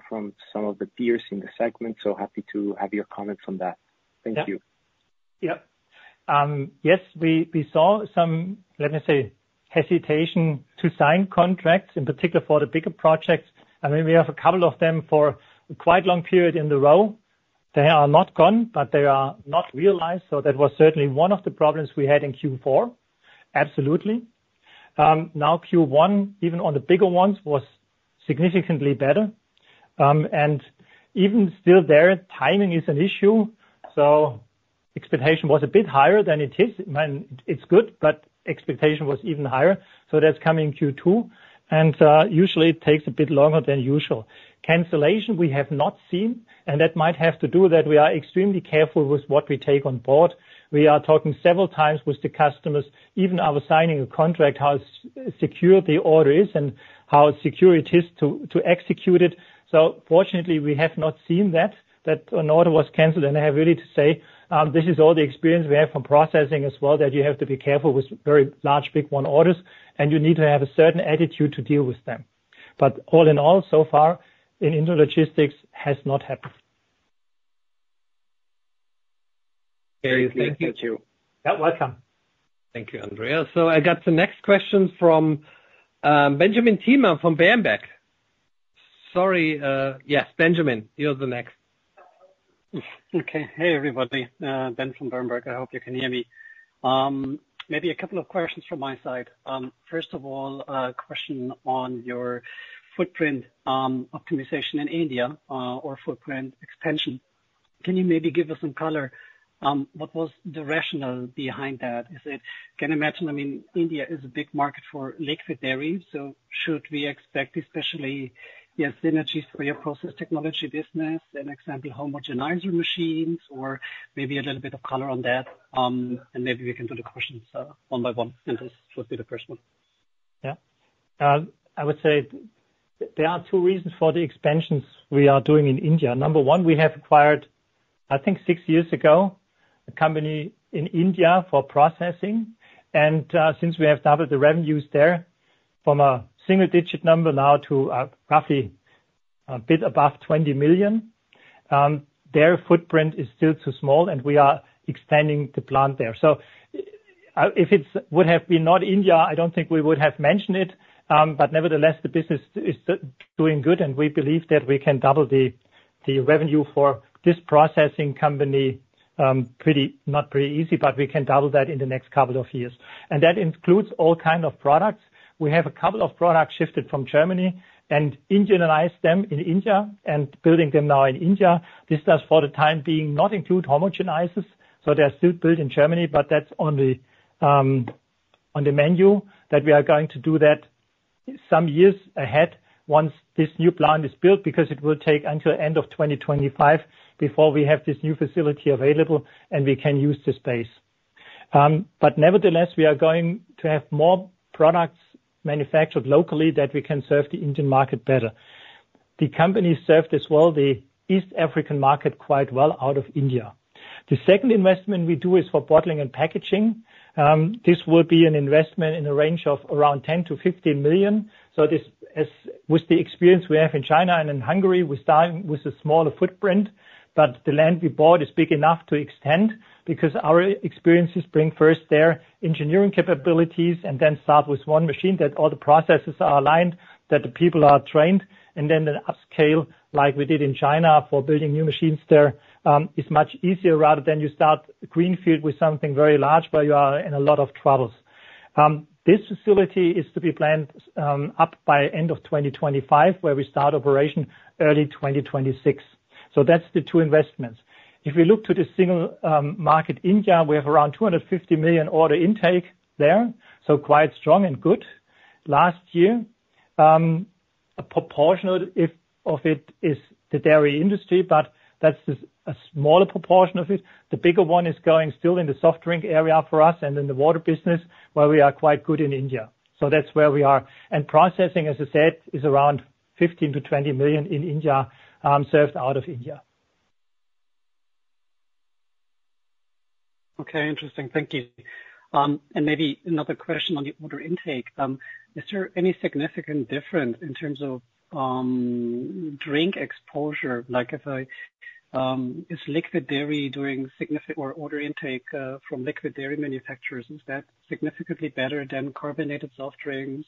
from some of the peers in the segment, so happy to have your comment from that. Thank you. Yeah. Yep. Yes, we saw some, let me say, hesitation to sign contracts, in particular for the bigger projects. I mean, we have a couple of them for quite long period in a row. They are not gone, but they are not realized, so that was certainly one of the problems we had in Q4. Absolutely. Now Q1, even on the bigger ones, was significantly better. And even still there, timing is an issue, so expectation was a bit higher than it is. I mean, it's good, but expectation was even higher, so that's coming Q2, and usually it takes a bit longer than usual. Cancellation, we have not seen, and that might have to do that we are extremely careful with what we take on board. We are talking several times with the customers, even after signing a contract, how secure the order is and how secure it is to execute it. So fortunately, we have not seen that an order was canceled. I really have to say, this is all the experience we have from processing as well, that you have to be careful with very large, big one orders, and you need to have a certain attitude to deal with them. But all in all, so far, in intralogistics has not happened. Very thank you. Yeah, welcome. Thank you, Andrea. So I got the next question from Benjamin Thielmann from Berenberg. Sorry, yes, Benjamin, you're the next. Okay. Hey, everybody, Ben from Berenberg. I hope you can hear me. Maybe a couple of questions from my side. First of all, a question on your footprint optimization in India or footprint expansion. Can you maybe give us some color what was the rationale behind that? Is it, I can imagine, I mean, India is a big market for liquid dairy, so should we expect, especially, yes, synergies for your process technology business, an example, homogenizer machines, or maybe a little bit of color on that, and maybe we can do the questions one by one, and this would be the first one. Yeah. I would say there are two reasons for the expansions we are doing in India. Number one, we have acquired, I think six years ago, a company in India for processing, and since we have doubled the revenues there from a single digit number now to roughly a bit above 20 million. Their footprint is still too small, and we are expanding the plant there. So if it would have been not India, I don't think we would have mentioned it, but nevertheless, the business is still doing good, and we believe that we can double the revenue for this processing company, not pretty easy, but we can double that in the next couple of years. And that includes all kind of products. We have a couple of products shifted from Germany and Indianized them in India and building them now in India. This does, for the time being, not include homogenizers, so they are still built in Germany, but that's on the menu that we are going to do that some years ahead, once this new plant is built, because it will take until end of 2025 before we have this new facility available and we can use the space. But nevertheless, we are going to have more products manufactured locally that we can serve the Indian market better. The company served as well, the East African market, quite well out of India. The second investment we do is for bottling and packaging. This will be an investment in a range of around 10-15 million. So with the experience we have in China and in Hungary, we're starting with a smaller footprint, but the land we bought is big enough to extend, because our experiences bring first there engineering capabilities and then start with one machine, that all the processes are aligned, that the people are trained, and then they upscale, like we did in China, for building new machines there, is much easier, rather than you start greenfield with something very large, but you are in a lot of troubles. This facility is to be planned up by end of 2025, where we start operation early 2026. So that's the two investments. If we look to the single market, India, we have around 250 million order intake there, so quite strong and good. Last year, a proportion of it is the dairy industry, but that's just a smaller proportion of it. The bigger one is going still in the soft drink area for us and in the water business, where we are quite good in India. So that's where we are. And processing, as I said, is around 15 million-20 million in India, served out of India. Okay, interesting. Thank you. Maybe another question on the order intake. Is there any significant difference in terms of drink exposure? Is liquid dairy doing significant or order intake from liquid dairy manufacturers, is that significantly better than carbonated soft drinks?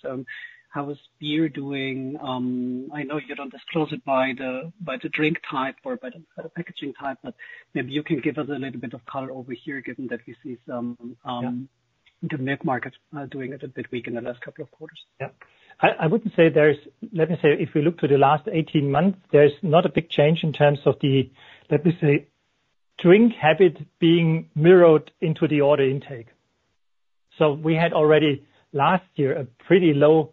How is beer doing? I know you don't disclose it by the drink type or by the packaging type, but maybe you can give us a little bit of color over here, given that we see some, Yeah The milk market, doing a little bit weak in the last couple of quarters. Yeah. I, I wouldn't say there's— Let me say, if we look to the last 18 months, there's not a big change in terms of the, let me say, drink habit being mirrored into the order intake. So we had already, last year, a pretty low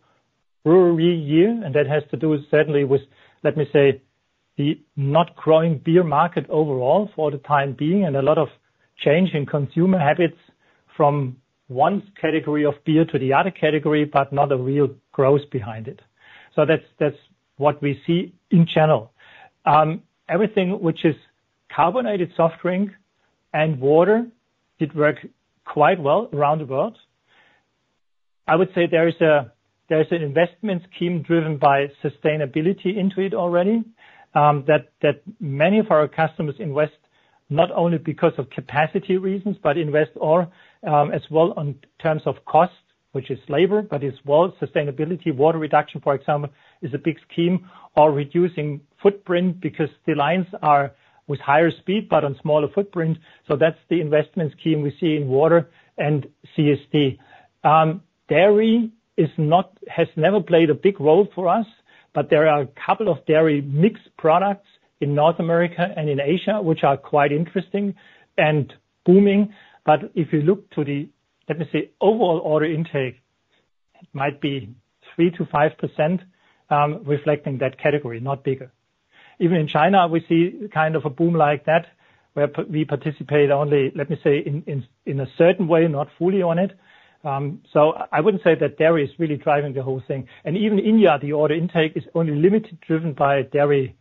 brewery year, and that has to do certainly with, let me say, the not growing beer market overall for the time being, and a lot of change in consumer habits from one category of beer to the other category, but not a real growth behind it. So that's, that's what we see in general. Everything which is carbonated soft drink and water, it worked quite well around the world. I would say there is an investment scheme driven by sustainability into it already, that many of our customers invest not only because of capacity reasons, but invest as well on terms of cost, which is labor, but as well, sustainability. Water reduction, for example, is a big scheme or reducing footprint because the lines are with higher speed but on smaller footprint. So that's the investment scheme we see in water and CSD. Dairy has never played a big role for us. But there are a couple of dairy mixed products in North America and in Asia, which are quite interesting and booming. But if you look to the, let me say, overall order intake, it might be 3%-5%, reflecting that category, not bigger. Even in China, we see kind of a boom like that, where we participate only, let me say, in a certain way, not fully on it. So I wouldn't say that dairy is really driving the whole thing. Even in India, the order intake is only limited, driven by dairy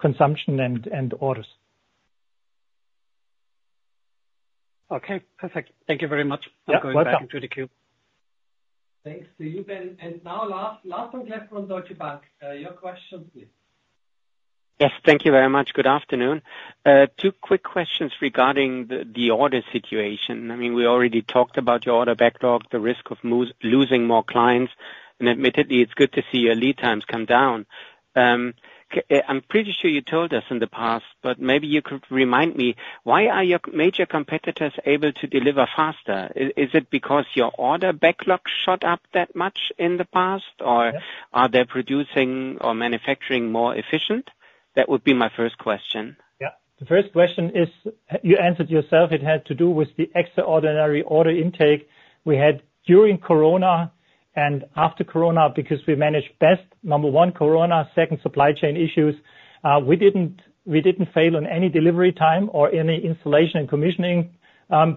consumption and orders. Okay, perfect. Thank you very much. Yeah, welcome. I'll go back into the queue. Thanks to you. Then, and now, last on deck from Deutsche Bank. Your questions, please. Yes, thank you very much. Good afternoon. Two quick questions regarding the order situation. I mean, we already talked about your order backlog, the risk of losing more clients, and admittedly, it's good to see your lead times come down. I'm pretty sure you told us in the past, but maybe you could remind me, why are your major competitors able to deliver faster? Is it because your order backlog shot up that much in the past? Yeah. Or are they producing or manufacturing more efficient? That would be my first question. Yeah. The first question is, you answered yourself. It had to do with the extraordinary order intake we had during Corona and after Corona, because we managed best, number one, Corona, second, supply chain issues. We didn't, we didn't fail on any delivery time or any installation and commissioning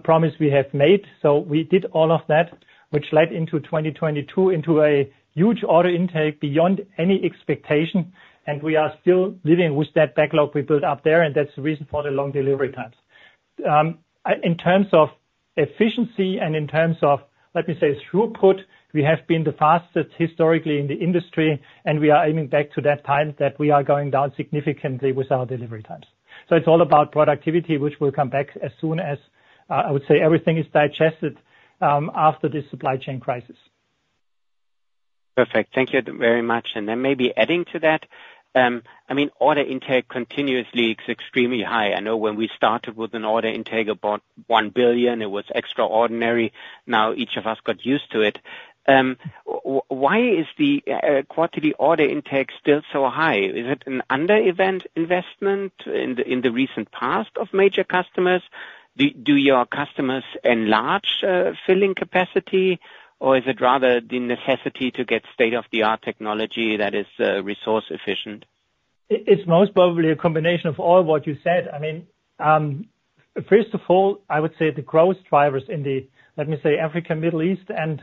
promise we have made. So we did all of that, which led into 2022, into a huge order intake beyond any expectation, and we are still living with that backlog we built up there, and that's the reason for the long delivery times. In terms of efficiency and in terms of, let me say, throughput, we have been the fastest historically in the industry, and we are aiming back to that time that we are going down significantly with our delivery times. So it's all about productivity, which will come back as soon as, I would say, everything is digested, after this supply chain crisis. Perfect. Thank you very much. And then maybe adding to that, I mean, order intake continuously is extremely high. I know when we started with an order intake about 1 billion, it was extraordinary. Now each of us got used to it. Why is the quarterly order intake still so high? Is it an underinvestment in the recent past of major customers? Do your customers enlarge filling capacity, or is it rather the necessity to get state-of-the-art technology that is resource efficient? It's most probably a combination of all what you said. I mean, first of all, I would say the growth drivers in, let me say, Africa, Middle East, and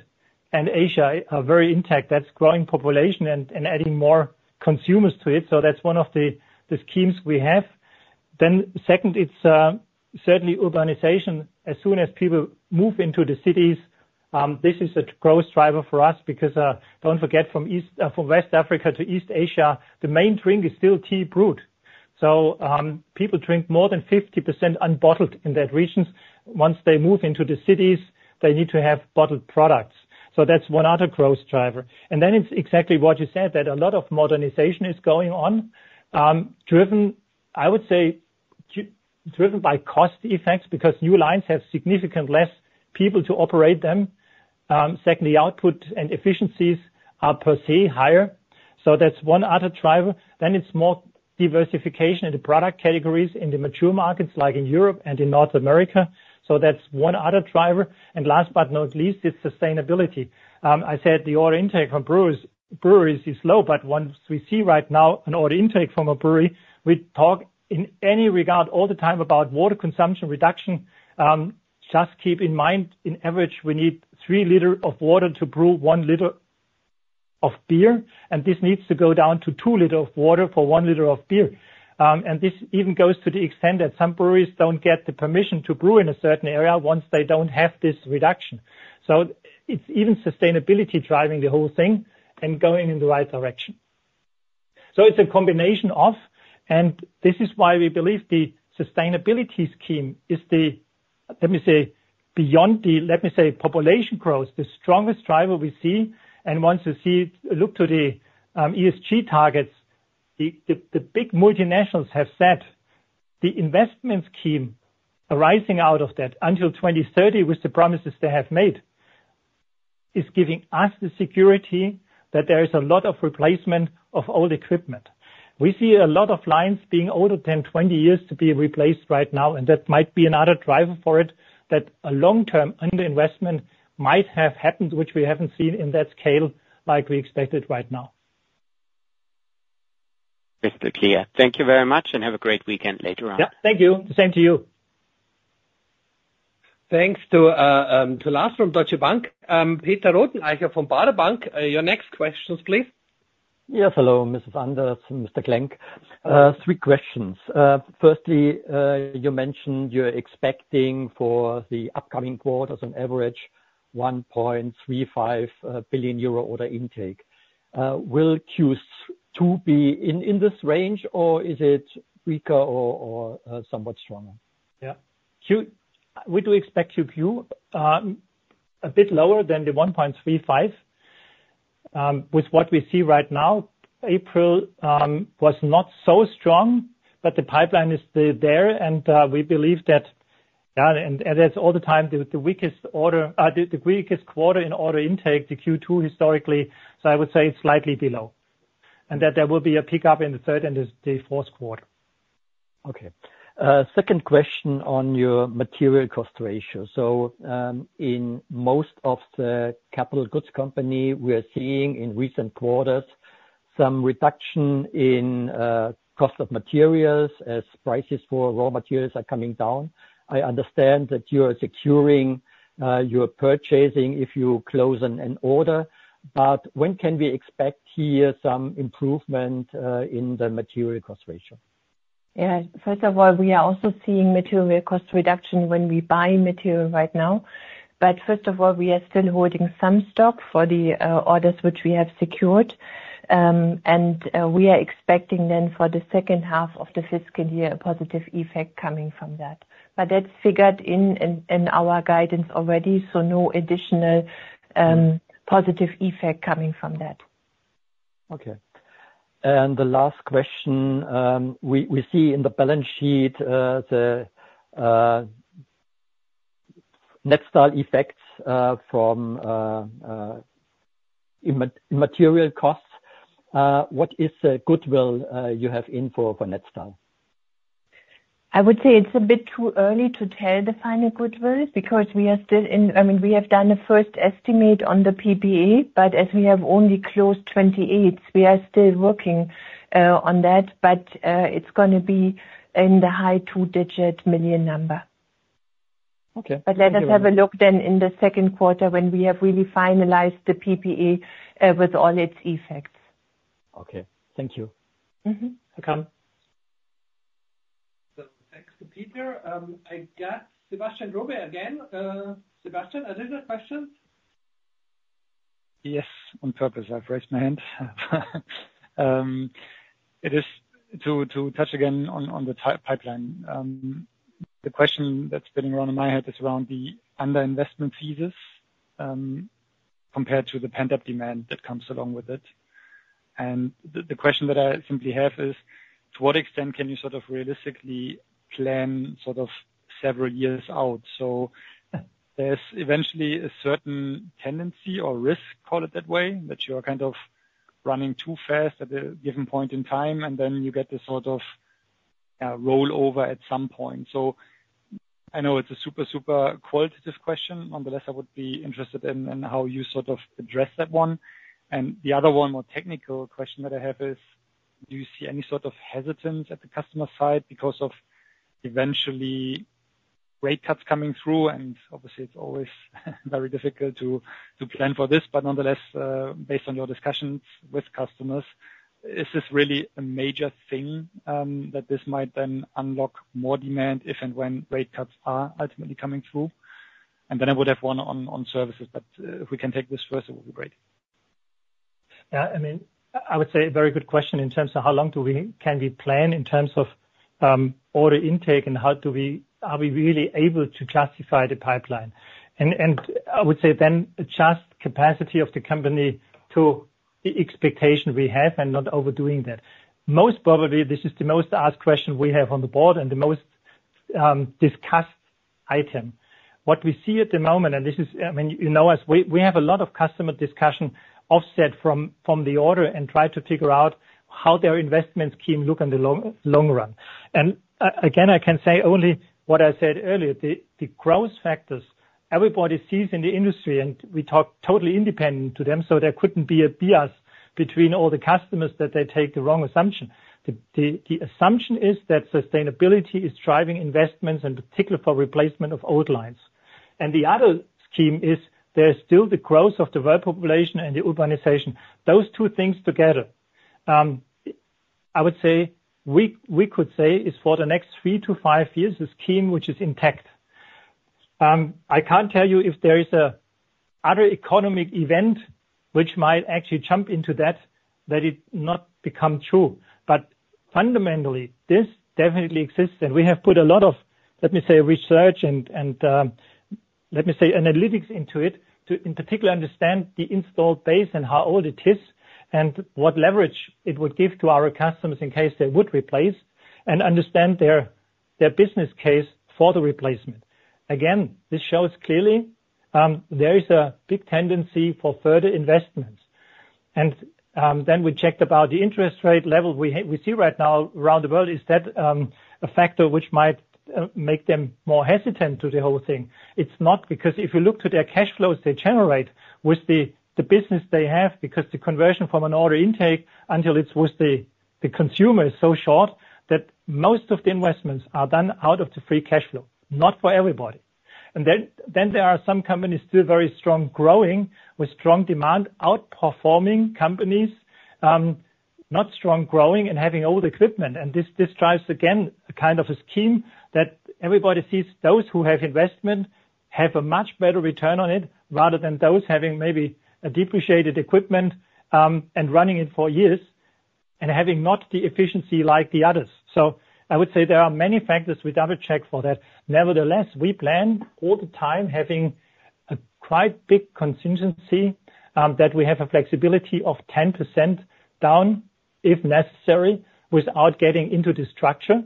Asia are very intact. That's growing population and adding more consumers to it, so that's one of the schemes we have. Then second, it's certainly urbanization. As soon as people move into the cities, this is a growth driver for us, because don't forget, from West Africa to East Asia, the main drink is still tea brewed. So people drink more than 50% unbottled in those regions. Once they move into the cities, they need to have bottled products. So that's one other growth driver. Then it's exactly what you said, that a lot of modernization is going on, driven, I would say, driven by cost effects, because new lines have significant less people to operate them. Secondly, output and efficiencies are per se higher, so that's one other driver. Then it's more diversification in the product categories in the mature markets, like in Europe and in North America, so that's one other driver. And last but not least, is sustainability. I said the order intake from brewers, breweries is low, but once we see right now an order intake from a brewery, we talk in any regard all the time about water consumption reduction. Just keep in mind, in average, we need 3 liters of water to brew 1 liter of beer, and this needs to go down to 2 liters of water for 1 liter of beer. And this even goes to the extent that some breweries don't get the permission to brew in a certain area once they don't have this reduction. So it's even sustainability driving the whole thing and going in the right direction. So it's a combination of, and this is why we believe the sustainability scheme is the, let me say, beyond the, let me say, population growth, the strongest driver we see. And once you see, look to the, ESG targets, the big multinationals have said the investment scheme arising out of that until 2030, with the promises they have made, is giving us the security that there is a lot of replacement of old equipment. We see a lot of lines being older than 20 years to be replaced right now, and that might be another driver for it, that a long-term underinvestment might have happened, which we haven't seen in that scale like we expected right now. Crystal clear. Thank you very much, and have a great weekend later on. Yeah, thank you. Same to you. Thanks to Lars Vom-Cleff from Deutsche Bank. Peter Rothenaicher from Baader Bank, your next questions, please. Yes, hello, Mrs. Anders and Mr. Klenk. Three questions. Firstly, you mentioned you're expecting for the upcoming quarters, on average, 1.35 billion euro order intake. Will Q2 be in this range, or is it weaker or somewhat stronger? Yeah. We do expect Q2 a bit lower than the 1.35. With what we see right now, April was not so strong, but the pipeline is still there, and we believe that... Yeah, and that's all the time, the weakest order, the weakest quarter in order intake, Q2 historically, so I would say slightly below. And that there will be a pickup in the third and the Q4. Okay. Second question on your material cost ratio. So, in most of the capital goods company, we are seeing in recent quarters some reduction in, cost of materials as prices for raw materials are coming down. I understand that you are securing, your purchasing if you close on an order, but when can we expect here some improvement, in the material cost ratio? Yeah. First of all, we are also seeing material cost reduction when we buy material right now. But first of all, we are still holding some stock for the orders which we have secured. And we are expecting then for the second half of the fiscal year a positive effect coming from that. But that's figured in our guidance already, so no additional positive effect coming from that. Okay. The last question, we see in the balance sheet the Netstal effects from in material costs. What is the goodwill you have in for Netstal? I would say it's a bit too early to tell the final goodwill, because we are still in—I mean, we have done a first estimate on the PPE, but as we have only closed 28, we are still working on that. But, it's gonna be in the high two-digit million EUR number. Okay. Let us have a look then in the Q2 when we have really finalized the PPE, with all its effects. Okay, thank you. Mm-hmm. Welcome. Thanks to Peter. I got Sebastian Ruby again. Sebastian, additional questions? Yes, on purpose. I've raised my hand. It is to touch again on the TI pipeline. The question that's been running in my head is around the underinvestment thesis, compared to the pent-up demand that comes along with it. The question that I simply have is: to what extent can you sort of realistically plan, sort of, several years out? So there's eventually a certain tendency or risk, call it that way, that you are kind of running too fast at a given point in time, and then you get this sort of rollover at some point. So I know it's a super, super qualitative question. Nonetheless, I would be interested in how you sort of address that one. The other one, more technical question that I have is: do you see any sort of hesitance at the customer side because of eventually rate cuts coming through? And obviously, it's always very difficult to plan for this, but nonetheless, based on your discussions with customers, is this really a major thing that this might then unlock more demand if and when rate cuts are ultimately coming through? And then I would have one on services, but if we can take this first, it would be great. Yeah, I mean, I would say very good question in terms of how long can we plan in terms of order intake, and are we really able to justify the pipeline? And I would say then adjust capacity of the company to expectation we have, and not overdoing that. Most probably, this is the most asked question we have on the board and the most discussed item. What we see at the moment, and this is, when you know us, we have a lot of customer discussion offset from the order and try to figure out how their investment scheme look in the long, long run. Again, I can say only what I said earlier, the growth factors everybody sees in the industry, and we talk totally independent to them, so there couldn't be a bias between all the customers that they take the wrong assumption. The assumption is that sustainability is driving investments, and particularly for replacement of old lines. The other scheme is there's still the growth of the world population and the urbanization. Those two things together, I would say, we could say is for the next three to five years, the scheme, which is intact. I can't tell you if there is another economic event which might actually jump into that, that it not become true. But fundamentally, this definitely exists, and we have put a lot of, let me say, research and, let me say, analytics into it, to, in particular, understand the installed base and how old it is, and what leverage it would give to our customers in case they would replace, and understand their, their business case for the replacement. Again, this shows clearly, there is a big tendency for further investments. And, then we checked about the interest rate level we see right now around the world, is that, a factor which might, make them more hesitant to the whole thing? It's not, because if you look to their cash flows, they generate with the business they have, because the conversion from an order intake until it's with the consumer is so short, that most of the investments are done out of the free cash flow, not for everybody. And then there are some companies still very strong growing, with strong demand, outperforming companies, not strong growing and having old equipment. And this drives, again, a kind of a scheme that everybody sees those who have investment have a much better return on it, rather than those having maybe a depreciated equipment, and running it for years, and having not the efficiency like the others. So I would say there are many factors we double-check for that. Nevertheless, we plan all the time having a quite big contingency that we have a flexibility of 10% down, if necessary, without getting into the structure.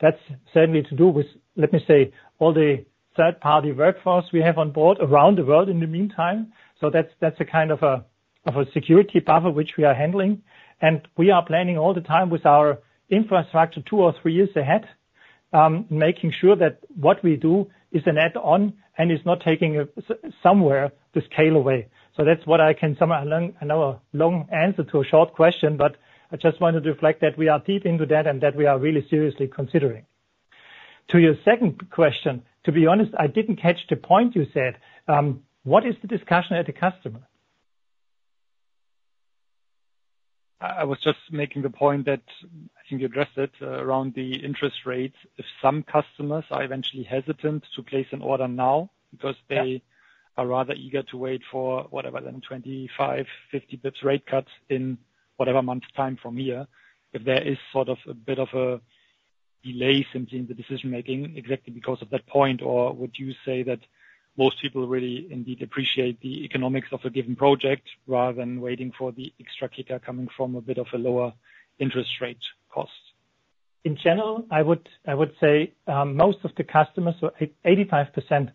That's certainly to do with, let me say, all the third-party workforce we have on board around the world in the meantime. So that's a kind of security buffer which we are handling, and we are planning all the time with our infrastructure two or three years ahead, making sure that what we do is an add-on and is not taking the scale away. So that's what I can summarize. I know a long answer to a short question, but I just wanted to reflect that we are deep into that and that we are really seriously considering. To your second question, to be honest, I didn't catch the point you said. What is the discussion at the customer? I was just making the point that I think you addressed it around the interest rates. If some customers are eventually hesitant to place an order now, because they- Yeah Are rather eager to wait for whatever, then 25, 50 basis points rate cuts in whatever months time from here. If there is sort of a bit of a delay simply in the decision-making, exactly because of that point, or would you say that most people really indeed appreciate the economics of a given project rather than waiting for the extra kicker coming from a bit of a lower interest rate cost? In general, I would, I would say, most of the customers, so 85%,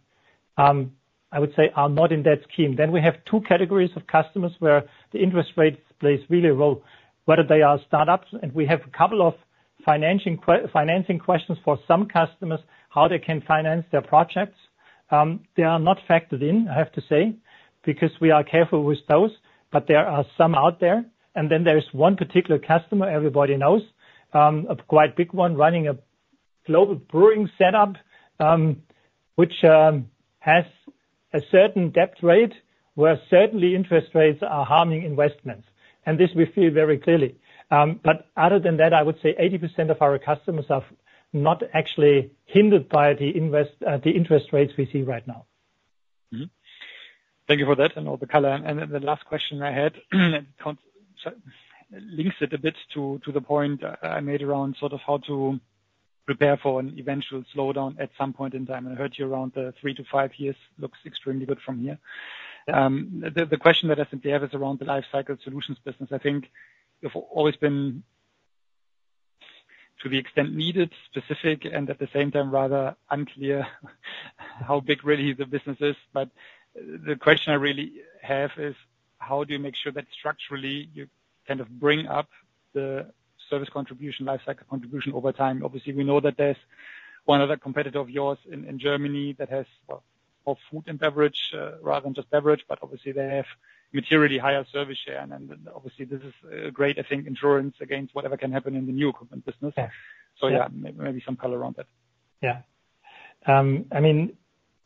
I would say, are not in that scheme. Then we have two categories of customers where the interest rates plays really a role, whether they are start-ups, and we have a couple of financing questions for some customers, how they can finance their projects. They are not factored in, I have to say, because we are careful with those, but there are some out there. And then there is one particular customer everybody knows, a quite big one, running a global brewing setup, which has a certain debt rate, where certainly interest rates are harming investments. And this we feel very clearly. But other than that, I would say 80% of our customers are not actually hindered by the interest rates we see right now. Mm-hmm. Thank you for that and all the color. And then, the last question I had, so links it a bit to, to the point I, I made around, sort of how to prepare for an eventual slowdown at some point in time. I heard you around the 3-5 years, looks extremely good from here. The, the question that I simply have is around the lifecycle solutions business. I think you've always been, to the extent, needed, specific, and at the same time, rather unclear, how big really the business is. But the question I really have is: how do you make sure that structurally, you kind of bring up the service contribution, lifecycle contribution over time? Obviously, we know that there's one other competitor of yours in Germany that has, well, both food and beverage, rather than just beverage, but obviously they have materially higher service share. And then, obviously, this is, great, I think, insurance against whatever can happen in the new equipment business. Yeah. So yeah, maybe some color on that. Yeah. I mean,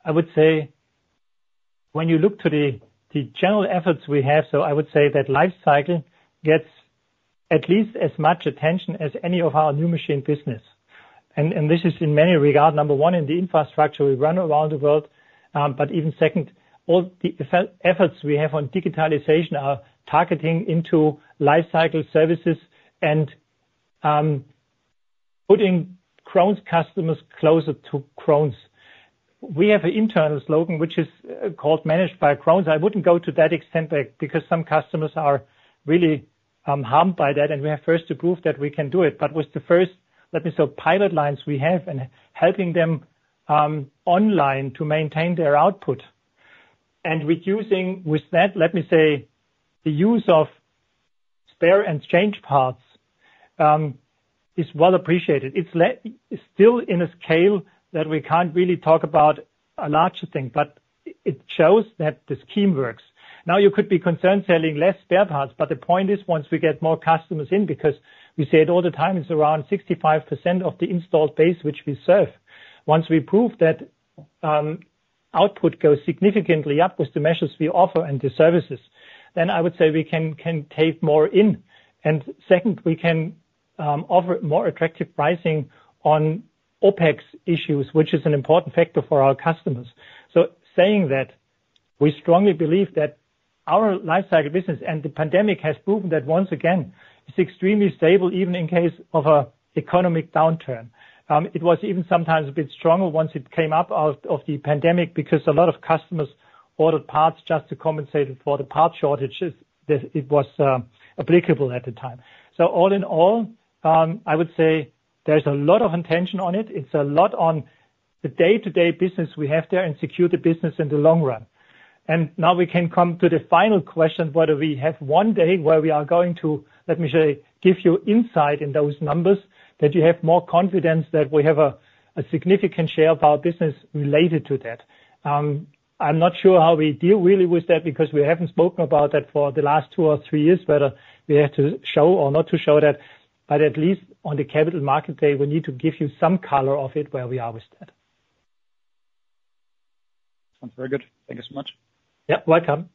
I would say when you look to the general efforts we have, so I would say that lifecycle gets at least as much attention as any of our new machine business. And this is in many regards, number one, in the infrastructure we run around the world, but even second, all the efforts we have on digitalization are targeting into lifecycle services and putting Krones customers closer to Krones. We have an internal slogan, which is called Managed by Krones. I wouldn't go to that extent because some customers are really harmed by that, and we have first to prove that we can do it. But with the first, let me say, pilot lines we have and helping them online to maintain their output. And reducing with that, let me say, the use of spare and change parts is well appreciated. It's still in a scale that we can't really talk about a larger thing, but it shows that the scheme works. Now, you could be concerned selling less spare parts, but the point is, once we get more customers in, because we say it all the time, it's around 65% of the installed base which we serve. Once we prove that, output goes significantly up with the measures we offer and the services, then I would say we can take more in. And second, we can offer more attractive pricing on OpEx issues, which is an important factor for our customers. So saying that, we strongly believe that our lifecycle business, and the pandemic has proven that once again, is extremely stable, even in case of an economic downturn. It was even sometimes a bit stronger once it came up out of the pandemic, because a lot of customers ordered parts just to compensate for the parts shortages that it was applicable at the time. So all in all, I would say there's a lot of intention on it. It's a lot on the day-to-day business we have there and secure the business in the long run. And now we can come to the final question, whether we have one day where we are going to, let me say, give you insight in those numbers, that you have more confidence that we have a significant share of our business related to that. I'm not sure how we deal really with that, because we haven't spoken about that for the last two or three years, whether we have to show or not to show that, but at least on the Capital Market Day, we need to give you some color of it, where we are with that. Sounds very good. Thank you so much. Yeah, welcome.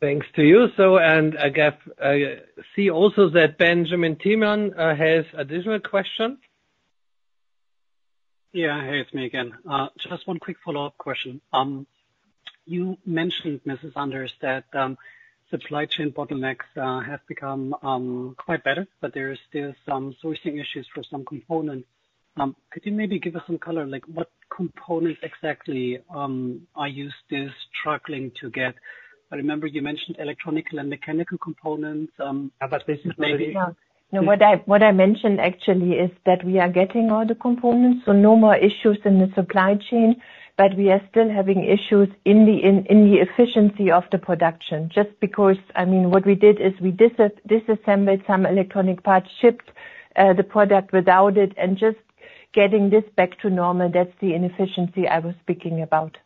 Thanks to you. So and I guess, I see also that Benjamin Thielmann has additional question. Yeah. Hey, it's me again. Just one quick follow-up question. You mentioned, Mrs. Sanders, that supply chain bottlenecks have become quite better, but there is still some sourcing issues for some components. Could you maybe give us some color? Like, what components exactly are you still struggling to get? I remember you mentioned electronic and mechanical components. but this is maybe- No, what I mentioned actually is that we are getting all the components, so no more issues in the supply chain, but we are still having issues in the efficiency of the production. Just because, I mean, what we did is we disassembled some electronic parts, shipped the product without it, and just getting this back to normal. That's the inefficiency I was speaking about.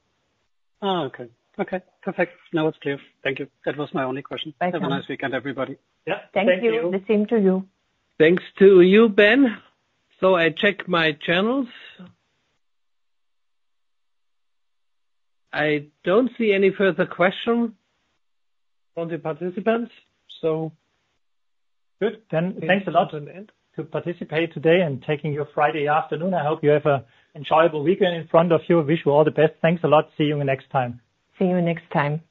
Oh, okay. Okay, perfect. Now it's clear. Thank you. That was my only question. Bye-bye. Have a nice weekend, everybody. Yeah. Thank you. Thank you. The same to you. Thanks to you, Ben. I check my channels. I don't see any further question from the participants, so... Good. Then, thanks a lot to participate today and taking your Friday afternoon. I hope you have an enjoyable weekend in front of you. I wish you all the best. Thanks a lot. See you next time. See you next time.